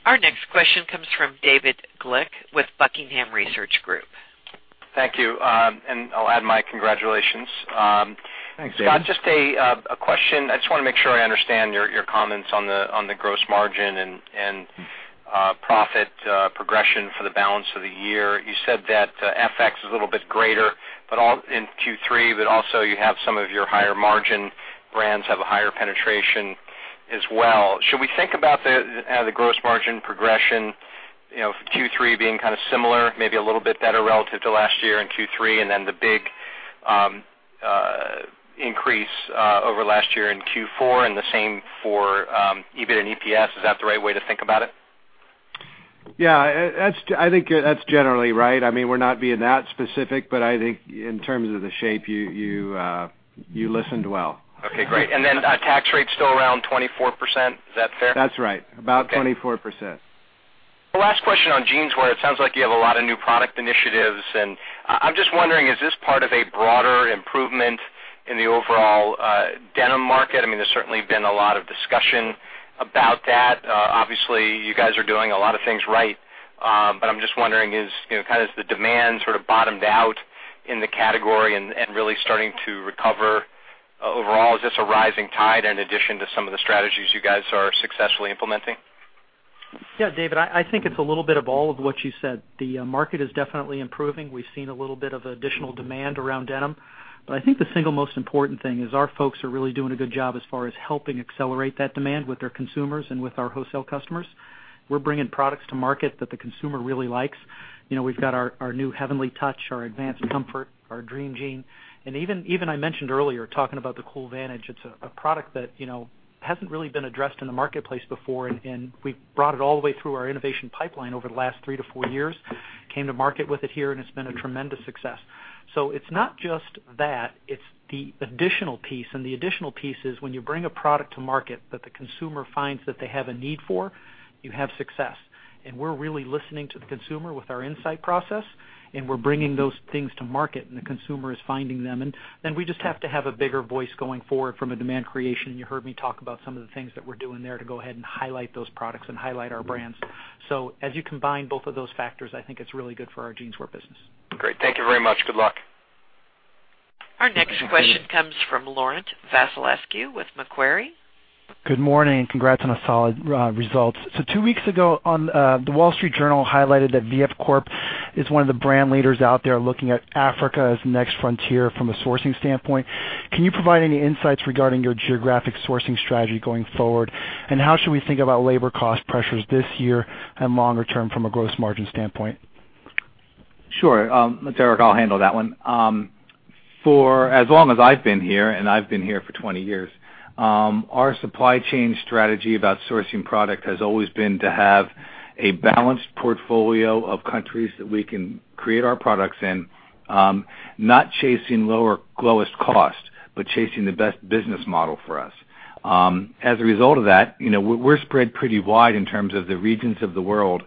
Our next question comes from David Glick with Buckingham Research Group. Thank you. I'll add my congratulations. Thanks, David. Scott, just a question. I just want to make sure I understand your comments on the gross margin and profit progression for the balance of the year. You said that FX is a little bit greater in Q3, but also you have some of your higher-margin brands have a higher penetration as well. Should we think about the gross margin progression, Q3 being kind of similar, maybe a little bit better relative to last year in Q3, and then the big increase over last year in Q4 and the same for EBIT and EPS? Is that the right way to think about it? Yeah. I think that's generally right. I mean, we're not being that specific, but I think in terms of the shape, you listened well. Okay, great. Then tax rate's still around 24%. Is that fair? That's right. About 24%. Last question on Jeanswear. It sounds like you have a lot of new product initiatives. I'm just wondering, is this part of a broader improvement in the overall denim market? There's certainly been a lot of discussion about that. Obviously, you guys are doing a lot of things right. I'm just wondering, has the demand sort of bottomed out in the category and really starting to recover overall? Is this a rising tide in addition to some of the strategies you guys are successfully implementing? David, I think it's a little bit of all of what you said. The market is definitely improving. We've seen a little bit of additional demand around denim. I think the single most important thing is our folks are really doing a good job as far as helping accelerate that demand with their consumers and with our wholesale customers. We're bringing products to market that the consumer really likes. We've got our new Heavenly Touch, our Advanced Comfort, our Dream Jean. Even I mentioned earlier, talking about the Cool Vantage, it's a product that hasn't really been addressed in the marketplace before, and we've brought it all the way through our innovation pipeline over the last three to four years. Came to market with it here, and it's been a tremendous success. It's not just that, it's the additional piece. The additional piece is when you bring a product to market that the consumer finds that they have a need for, you have success. We're really listening to the consumer with our insight process, and we're bringing those things to market, and the consumer is finding them. We just have to have a bigger voice going forward from a demand creation. You heard me talk about some of the things that we're doing there to go ahead and highlight those products and highlight our brands. As you combine both of those factors, I think it's really good for our Jeanswear business. Great. Thank you very much. Good luck. Our next question comes from Laurent Vasilescu with Macquarie. Good morning. Congrats on the solid results. Two weeks ago, The Wall Street Journal highlighted that VF Corp is one of the brand leaders out there looking at Africa as the next frontier from a sourcing standpoint. Can you provide any insights regarding your geographic sourcing strategy going forward? How should we think about labor cost pressures this year and longer term from a gross margin standpoint? Sure. Laurent, I'll handle that one. For as long as I've been here, and I've been here for 20 years, our supply chain strategy about sourcing product has always been to have a balanced portfolio of countries that we can create our products in. Not chasing lowest cost, but chasing the best business model for us. As a result of that, we're spread pretty wide in terms of the regions of the world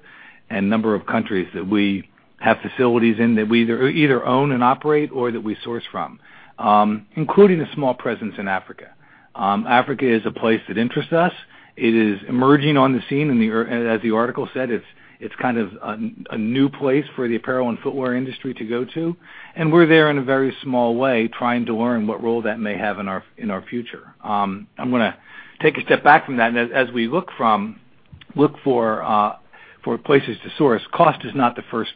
and number of countries that we have facilities in that we either own and operate or that we source from, including a small presence in Africa. Africa is a place that interests us. It is emerging on the scene. As the article said, it's kind of a new place for the apparel and footwear industry to go to. We're there in a very small way, trying to learn what role that may have in our future. I'm going to take a step back from that. As we look for places to source, cost is not the first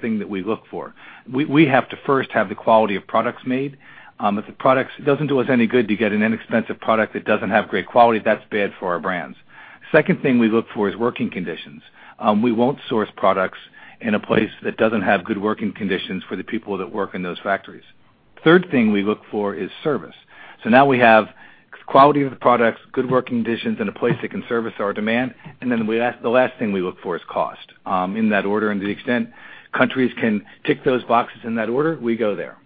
thing that we look for. We have to first have the quality of products made. It doesn't do us any good to get an inexpensive product that doesn't have great quality. That's bad for our brands. Second thing we look for is working conditions. We won't source products in a place that doesn't have good working conditions for the people that work in those factories. Third thing we look for is service. Now we have Quality of the products, good working conditions, and a place that can service our demand. Then the last thing we look for is cost, in that order. To the extent countries can tick those boxes in that order, we go there.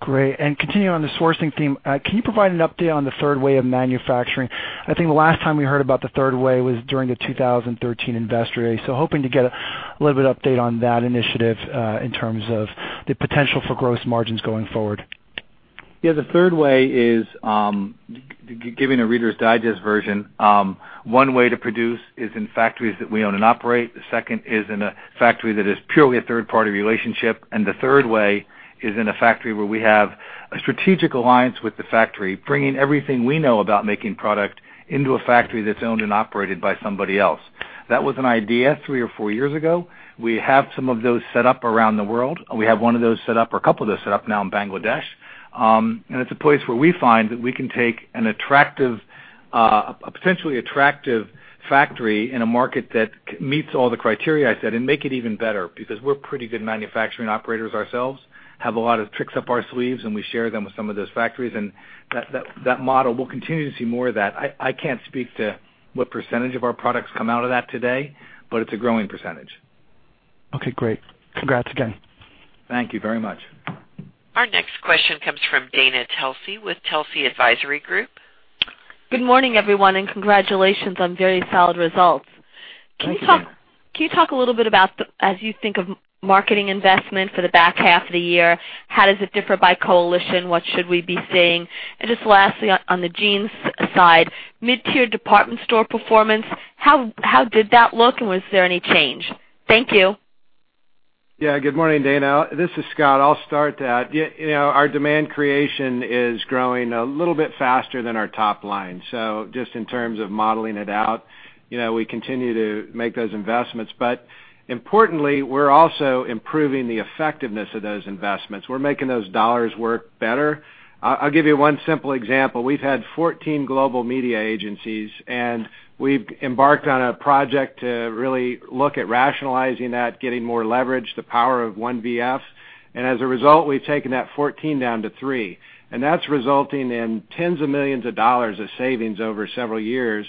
Great. Continuing on the sourcing theme, can you provide an update on the Third Way of manufacturing? I think the last time we heard about the Third Way was during the 2013 investor day. Hoping to get a little bit of update on that initiative, in terms of the potential for gross margins going forward. Yeah, the Third Way is, giving a Reader's Digest version, one way to produce is in factories that we own and operate. The second is in a factory that is purely a third-party relationship. The Third Way is in a factory where we have a strategic alliance with the factory, bringing everything we know about making product into a factory that's owned and operated by somebody else. That was an idea three or four years ago. We have some of those set up around the world. We have one of those set up, or a couple of those set up now in Bangladesh. It's a place where we find that we can take a potentially attractive factory in a market that meets all the criteria I said, and make it even better because we're pretty good manufacturing operators ourselves. Have a lot of tricks up our sleeves, and we share them with some of those factories. That model, we'll continue to see more of that. I can't speak to what percentage of our products come out of that today, but it's a growing percentage. Okay, great. Congrats again. Thank you very much. Our next question comes from Dana Telsey with Telsey Advisory Group. Good morning, everyone, and congratulations on very solid results. Thank you. Can you talk a little bit about, as you think of marketing investment for the back half of the year, how does it differ by coalition? What should we be seeing? Just lastly, on the jeans side, mid-tier department store performance, how did that look and was there any change? Thank you. Yeah. Good morning, Dana. This is Scott. I'll start that. Our demand creation is growing a little bit faster than our top line. Just in terms of modeling it out, we continue to make those investments. Importantly, we're also improving the effectiveness of those investments. We're making those dollars work better. I'll give you one simple example. We've had 14 global media agencies, we've embarked on a project to really look at rationalizing that, getting more leverage, the power of one VF. As a result, we've taken that 14 down to three. That's resulting in $tens of millions of savings over several years.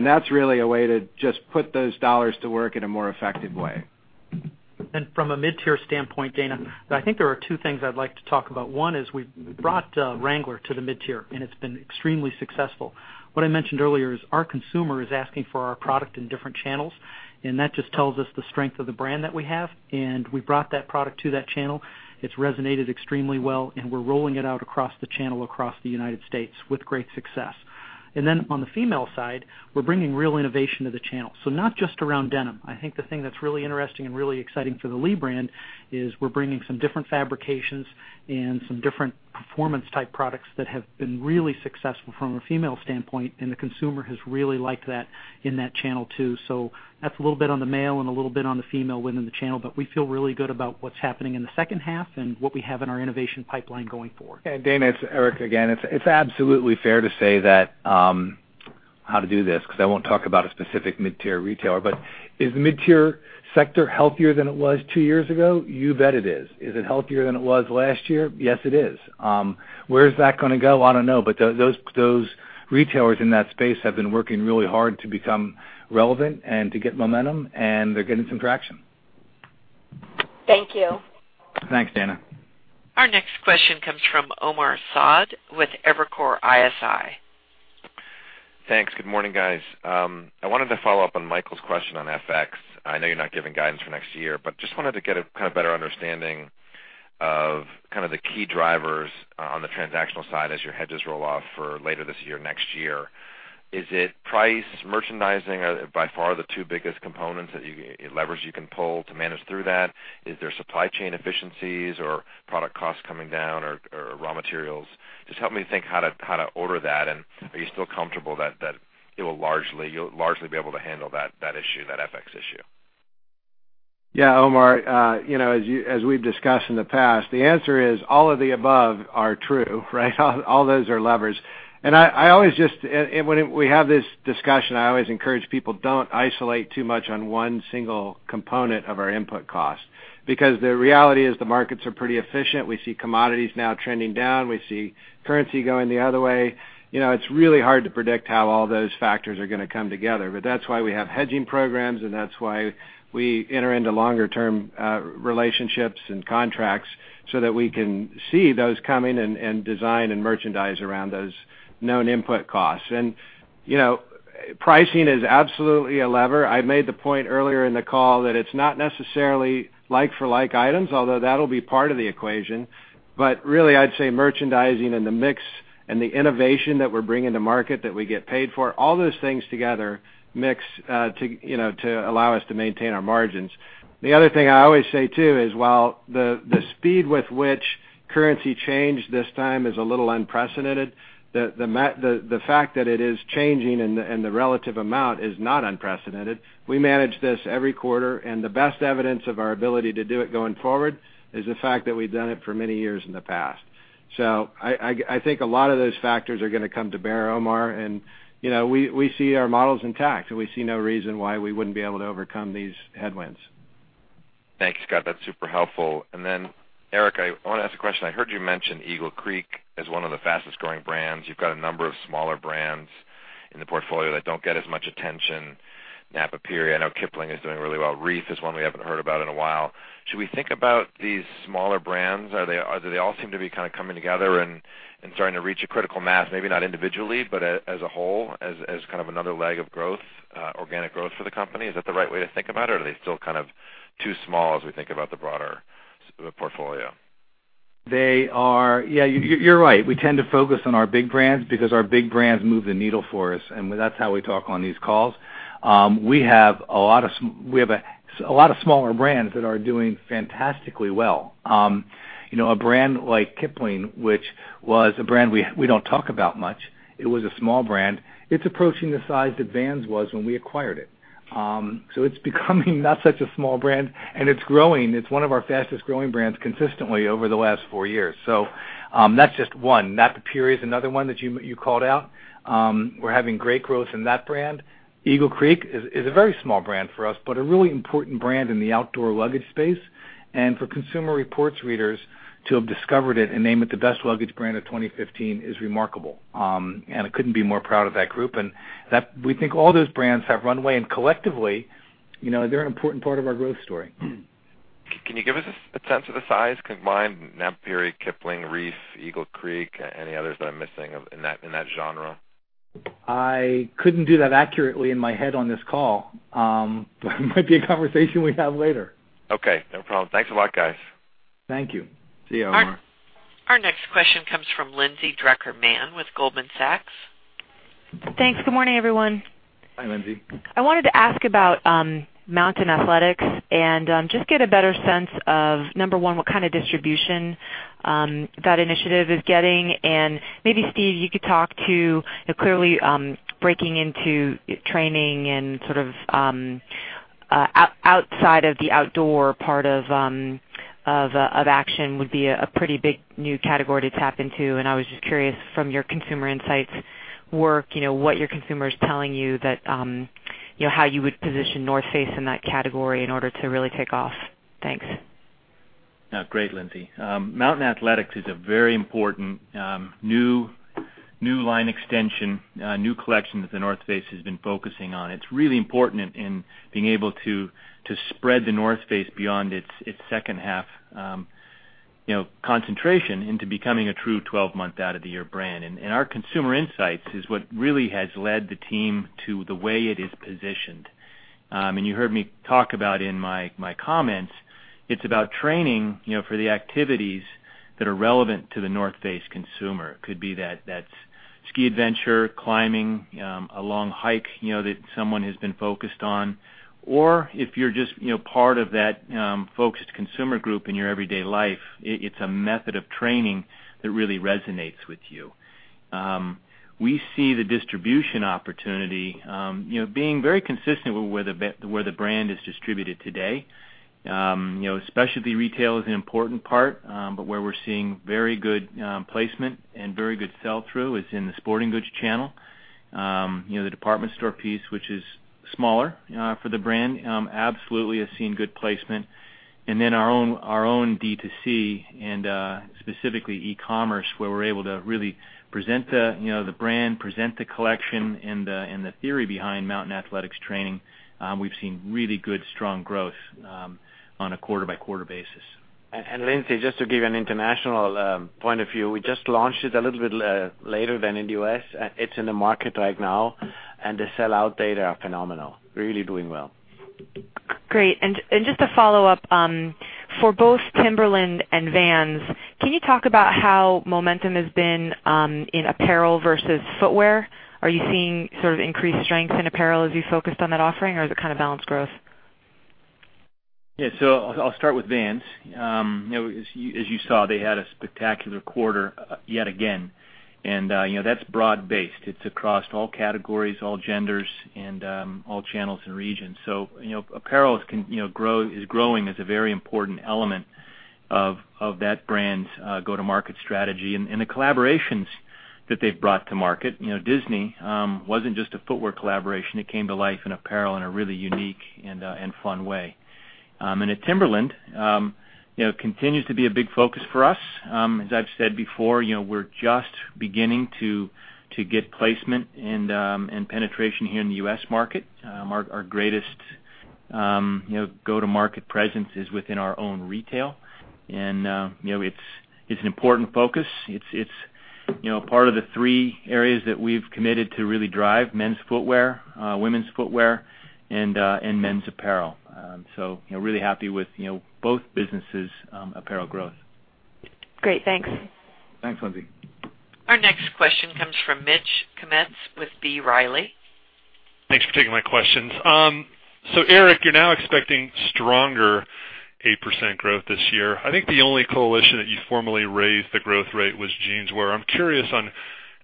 That's really a way to just put those dollars to work in a more effective way. From a mid-tier standpoint, Dana, I think there are two things I'd like to talk about. One is we've brought Wrangler to the mid-tier, it's been extremely successful. What I mentioned earlier is our consumer is asking for our product in different channels, that just tells us the strength of the brand that we have. We brought that product to that channel. It's resonated extremely well, we're rolling it out across the channel, across the United States with great success. Then on the female side, we're bringing real innovation to the channel. Not just around denim. I think the thing that's really interesting and really exciting for the Lee brand is we're bringing some different fabrications and some different performance type products that have been really successful from a female standpoint, the consumer has really liked that in that channel, too. That's a little bit on the male and a little bit on the female within the channel, we feel really good about what's happening in the second half and what we have in our innovation pipeline going forward. Dana, it's Eric again. It's absolutely fair to say, because I won't talk about a specific mid-tier retailer. Is mid-tier sector healthier than it was two years ago? You bet it is. Is it healthier than it was last year? Yes, it is. Where's that going to go? I don't know. Those retailers in that space have been working really hard to become relevant and to get momentum, and they're getting some traction. Thank you. Thanks, Dana. Our next question comes from Omar Saad with Evercore ISI. Thanks. Good morning, guys. I wanted to follow up on Michael's question on FX. I know you're not giving guidance for next year, but just wanted to get a better understanding of the key drivers on the transactional side as your hedges roll off for later this year, next year. Is it price, merchandising, are by far the two biggest components, levers you can pull to manage through that? Is there supply chain efficiencies or product costs coming down or raw materials? Just help me think how to order that, and are you still comfortable that you'll largely be able to handle that issue, that FX issue? Yeah, Omar. As we've discussed in the past, the answer is all of the above are true, right? All those are levers. When we have this discussion, I always encourage people, don't isolate too much on one single component of our input cost, because the reality is the markets are pretty efficient. We see commodities now trending down. We see currency going the other way. It's really hard to predict how all those factors are going to come together, that's why we have hedging programs, that's why we enter into longer-term relationships and contracts so that we can see those coming and design and merchandise around those known input costs. Pricing is absolutely a lever. I made the point earlier in the call that it's not necessarily like-for-like items, although that'll be part of the equation. Really, I'd say merchandising and the mix and the innovation that we're bringing to market that we get paid for, all those things together mix to allow us to maintain our margins. The other thing I always say, too, is while the speed with which currency changed this time is a little unprecedented, the fact that it is changing and the relative amount is not unprecedented. We manage this every quarter, the best evidence of our ability to do it going forward is the fact that we've done it for many years in the past. I think a lot of those factors are going to come to bear, Omar, we see our models intact, we see no reason why we wouldn't be able to overcome these headwinds. Thanks, Scott. That's super helpful. Then, Eric, I want to ask a question. I heard you mention Eagle Creek as one of the fastest-growing brands. You've got a number of smaller brands in the portfolio that don't get as much attention. Napapijri, I know Kipling is doing really well. Reef is one we haven't heard about in a while. Should we think about these smaller brands? Do they all seem to be kind of coming together and starting to reach a critical mass? Maybe not individually, but as a whole, as kind of another leg of growth, organic growth for the company. Is that the right way to think about it? Or are they still kind of too small as we think about the broader portfolio? Yeah, you're right. We tend to focus on our big brands because our big brands move the needle for us, and that's how we talk on these calls. We have a lot of smaller brands that are doing fantastically well. A brand like Kipling, which was a brand we don't talk about much. It was a small brand. It's approaching the size that Vans was when we acquired it. It's becoming not such a small brand, and it's growing. It's one of our fastest-growing brands consistently over the last four years. That's just one. Napapijri is another one that you called out. We're having great growth in that brand. Eagle Creek is a very small brand for us, but a really important brand in the outdoor luggage space. For Consumer Reports readers to have discovered it and name it the best luggage brand of 2015 is remarkable. I couldn't be more proud of that group. We think all those brands have runway, and collectively, they're an important part of our growth story. Can you give us a sense of the size combined? Napapijri, Kipling, Reef, Eagle Creek, any others that I'm missing in that genre? I couldn't do that accurately in my head on this call. It might be a conversation we have later. Okay, no problem. Thanks a lot, guys. Thank you. See you, Omar. Our next question comes from Lindsay Drucker Mann with Goldman Sachs. Thanks. Good morning, everyone. Hi, Lindsay. I wanted to ask about Mountain Athletics and just get a better sense of, number one, what kind of distribution that initiative is getting. Maybe, Steve, you could talk to. Clearly, breaking into training and sort of outside of the outdoor part of action would be a pretty big new category to tap into. I was just curious from your consumer insights work, what your consumer's telling you that, how you would position The North Face in that category in order to really take off. Thanks. Great, Lindsay. Mountain Athletics is a very important new line extension, new collection that The North Face has been focusing on. It's really important in being able to spread The North Face beyond its second half concentration into becoming a true 12-month out of the year brand. Our consumer insights is what really has led the team to the way it is positioned. You heard me talk about in my comments, it's about training for the activities that are relevant to The North Face consumer. It could be that ski adventure, climbing, a long hike that someone has been focused on, or if you're just part of that focused consumer group in your everyday life, it's a method of training that really resonates with you. We see the distribution opportunity being very consistent with where the brand is distributed today. Specialty retail is an important part, where we're seeing very good placement and very good sell-through is in the sporting goods channel. The department store piece, which is smaller for the brand, absolutely has seen good placement. Our own D2C and specifically e-commerce, where we're able to really present the brand, present the collection, and the theory behind Mountain Athletics training. We've seen really good, strong growth on a quarter-by-quarter basis. Lindsay, just to give you an international point of view, we just launched it a little bit later than in the U.S. It's in the market right now, the sellout data are phenomenal. Really doing well. Great. Just to follow up, for both Timberland and Vans, can you talk about how momentum has been in apparel versus footwear? Are you seeing sort of increased strength in apparel as you focused on that offering, or is it kind of balanced growth? Yeah. I'll start with Vans. As you saw, they had a spectacular quarter yet again, that's broad based. It's across all categories, all genders, all channels and regions. Apparel is growing as a very important element of that brand's go-to-market strategy and the collaborations that they've brought to market. Disney wasn't just a footwear collaboration. It came to life in apparel in a really unique and fun way. At Timberland, it continues to be a big focus for us. As I've said before, we're just beginning to get placement and penetration here in the U.S. market. Our greatest go-to-market presence is within our own retail, it's an important focus. It's part of the three areas that we've committed to really drive. Men's footwear, women's footwear, and men's apparel. Really happy with both businesses' apparel growth. Great. Thanks. Thanks, Lindsay. Our next question comes from Mitch Kummetz with B. Riley. Thanks for taking my questions. Eric, you're now expecting stronger 8% growth this year. I think the only coalition that you formally raised the growth rate was Jeanswear. I'm curious on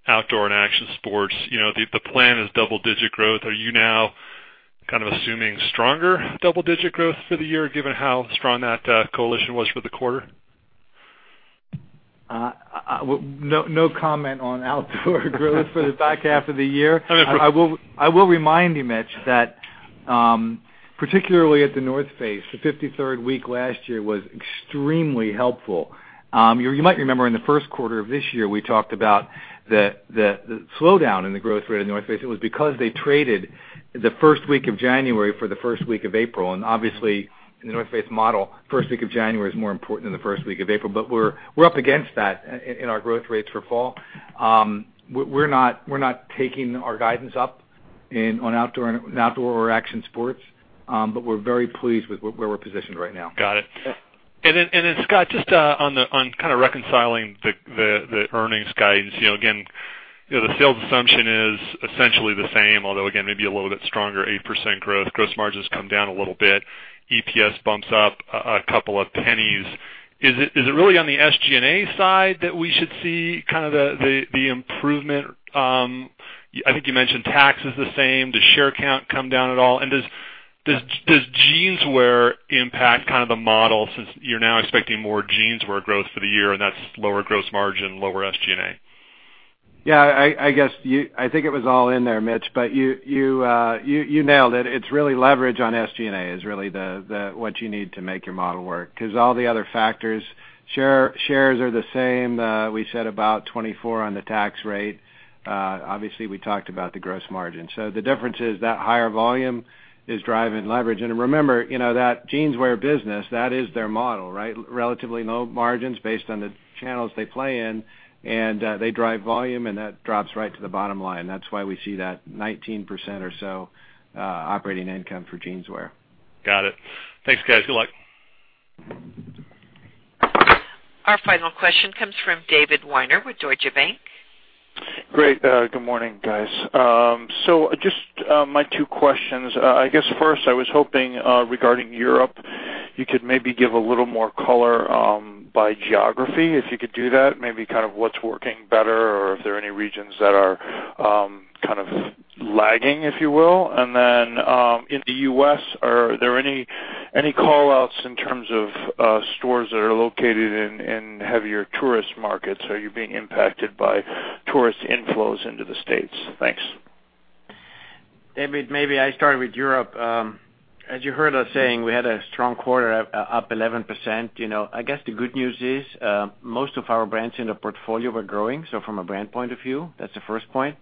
Outdoor and Action Sports. The plan is double-digit growth. Are you now kind of assuming stronger double-digit growth for the year, given how strong that coalition was for the quarter? No comment on outdoor growth for the back half of the year. I will remind you, Mitch, that particularly at The North Face, the 53rd week last year was extremely helpful. You might remember in the first quarter of this year, we talked about the slowdown in the growth rate of The North Face. It was because they traded the first week of January for the first week of April. Obviously, in The North Face model, first week of January is more important than the first week of April. We're up against that in our growth rates for fall. We're not taking our guidance up in outdoor or action sports. We're very pleased with where we're positioned right now. Got it. Then, Scott, just on kind of reconciling the earnings guidance. Again, the sales assumption is essentially the same, although, again, maybe a little bit stronger, 8% growth. Gross margins come down a little bit. EPS bumps up a couple of pennies. Is it really on the SG&A side that we should see the improvement? I think you mentioned tax is the same. Does share count come down at all? Does jeanswear impact the model, since you're now expecting more jeanswear growth for the year, and that's lower gross margin, lower SG&A? I think it was all in there, Mitch. You nailed it. It's really leverage on SG&A is really what you need to make your model work. All the other factors, shares are the same. We said about 24% on the tax rate. Obviously, we talked about the gross margin. The difference is that higher volume is driving leverage. Remember, that jeanswear business, that is their model, right? Relatively low margins based on the channels they play in, and they drive volume, and that drops right to the bottom line. That's why we see that 19% or so operating income for jeanswear. Got it. Thanks, guys. Good luck. Our final question comes from David Weiner with Deutsche Bank. Great. Good morning, guys. Just my two questions. I guess first, I was hoping, regarding Europe, you could maybe give a little more color by geography, if you could do that. Maybe what's working better, or if there are any regions that are kind of lagging, if you will. In the U.S., are there any call-outs in terms of stores that are located in heavier tourist markets? Are you being impacted by tourist inflows into the States? Thanks. David, maybe I start with Europe. As you heard us saying, we had a strong quarter, up 11%. I guess the good news is, most of our brands in the portfolio were growing. From a brand point of view, that's the first point.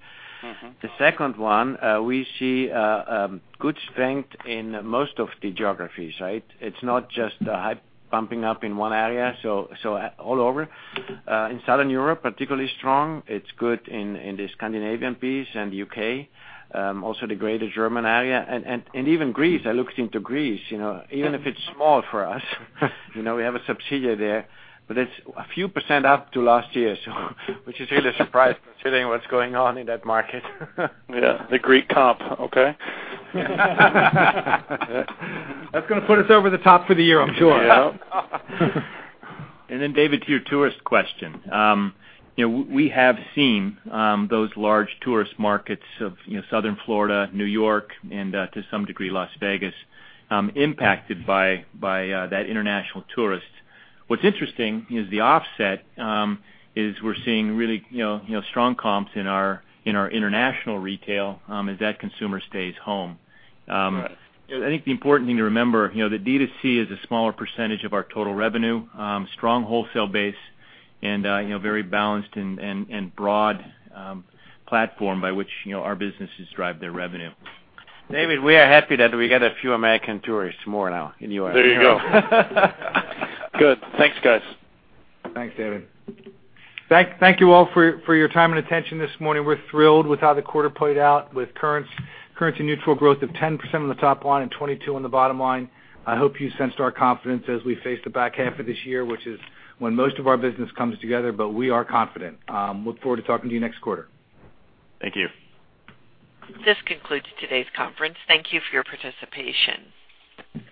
The second one, we see a good strength in most of the geographies, right? It's not just the hype bumping up in one area. All over. In Southern Europe, particularly strong. It's good in the Scandinavian piece and U.K. Also the greater German area. Even Greece. I looked into Greece. Even if it's small for us, we have a subsidiary there. It's a few percent up to last year. Which is really a surprise considering what's going on in that market. Yeah. The Greek comp. Okay. That's going to put us over the top for the year, I'm sure. Yeah. David, to your tourist question. We have seen those large tourist markets of Southern Florida, New York, and to some degree Las Vegas, impacted by that international tourist. What's interesting is the offset is we're seeing really strong comps in our international retail as that consumer stays home. Right. I think the important thing to remember, the D2C is a smaller % of our total revenue. Strong wholesale base and very balanced and broad platform by which our businesses drive their revenue. David, we are happy that we got a few American tourists more now in Europe. There you go. Good. Thanks, guys. Thanks, David. Thank you all for your time and attention this morning. We're thrilled with how the quarter played out with currency neutral growth of 10% on the top line and 22% on the bottom line. I hope you sensed our confidence as we face the back half of this year, which is when most of our business comes together. We are confident. Look forward to talking to you next quarter. Thank you. This concludes today's conference. Thank you for your participation.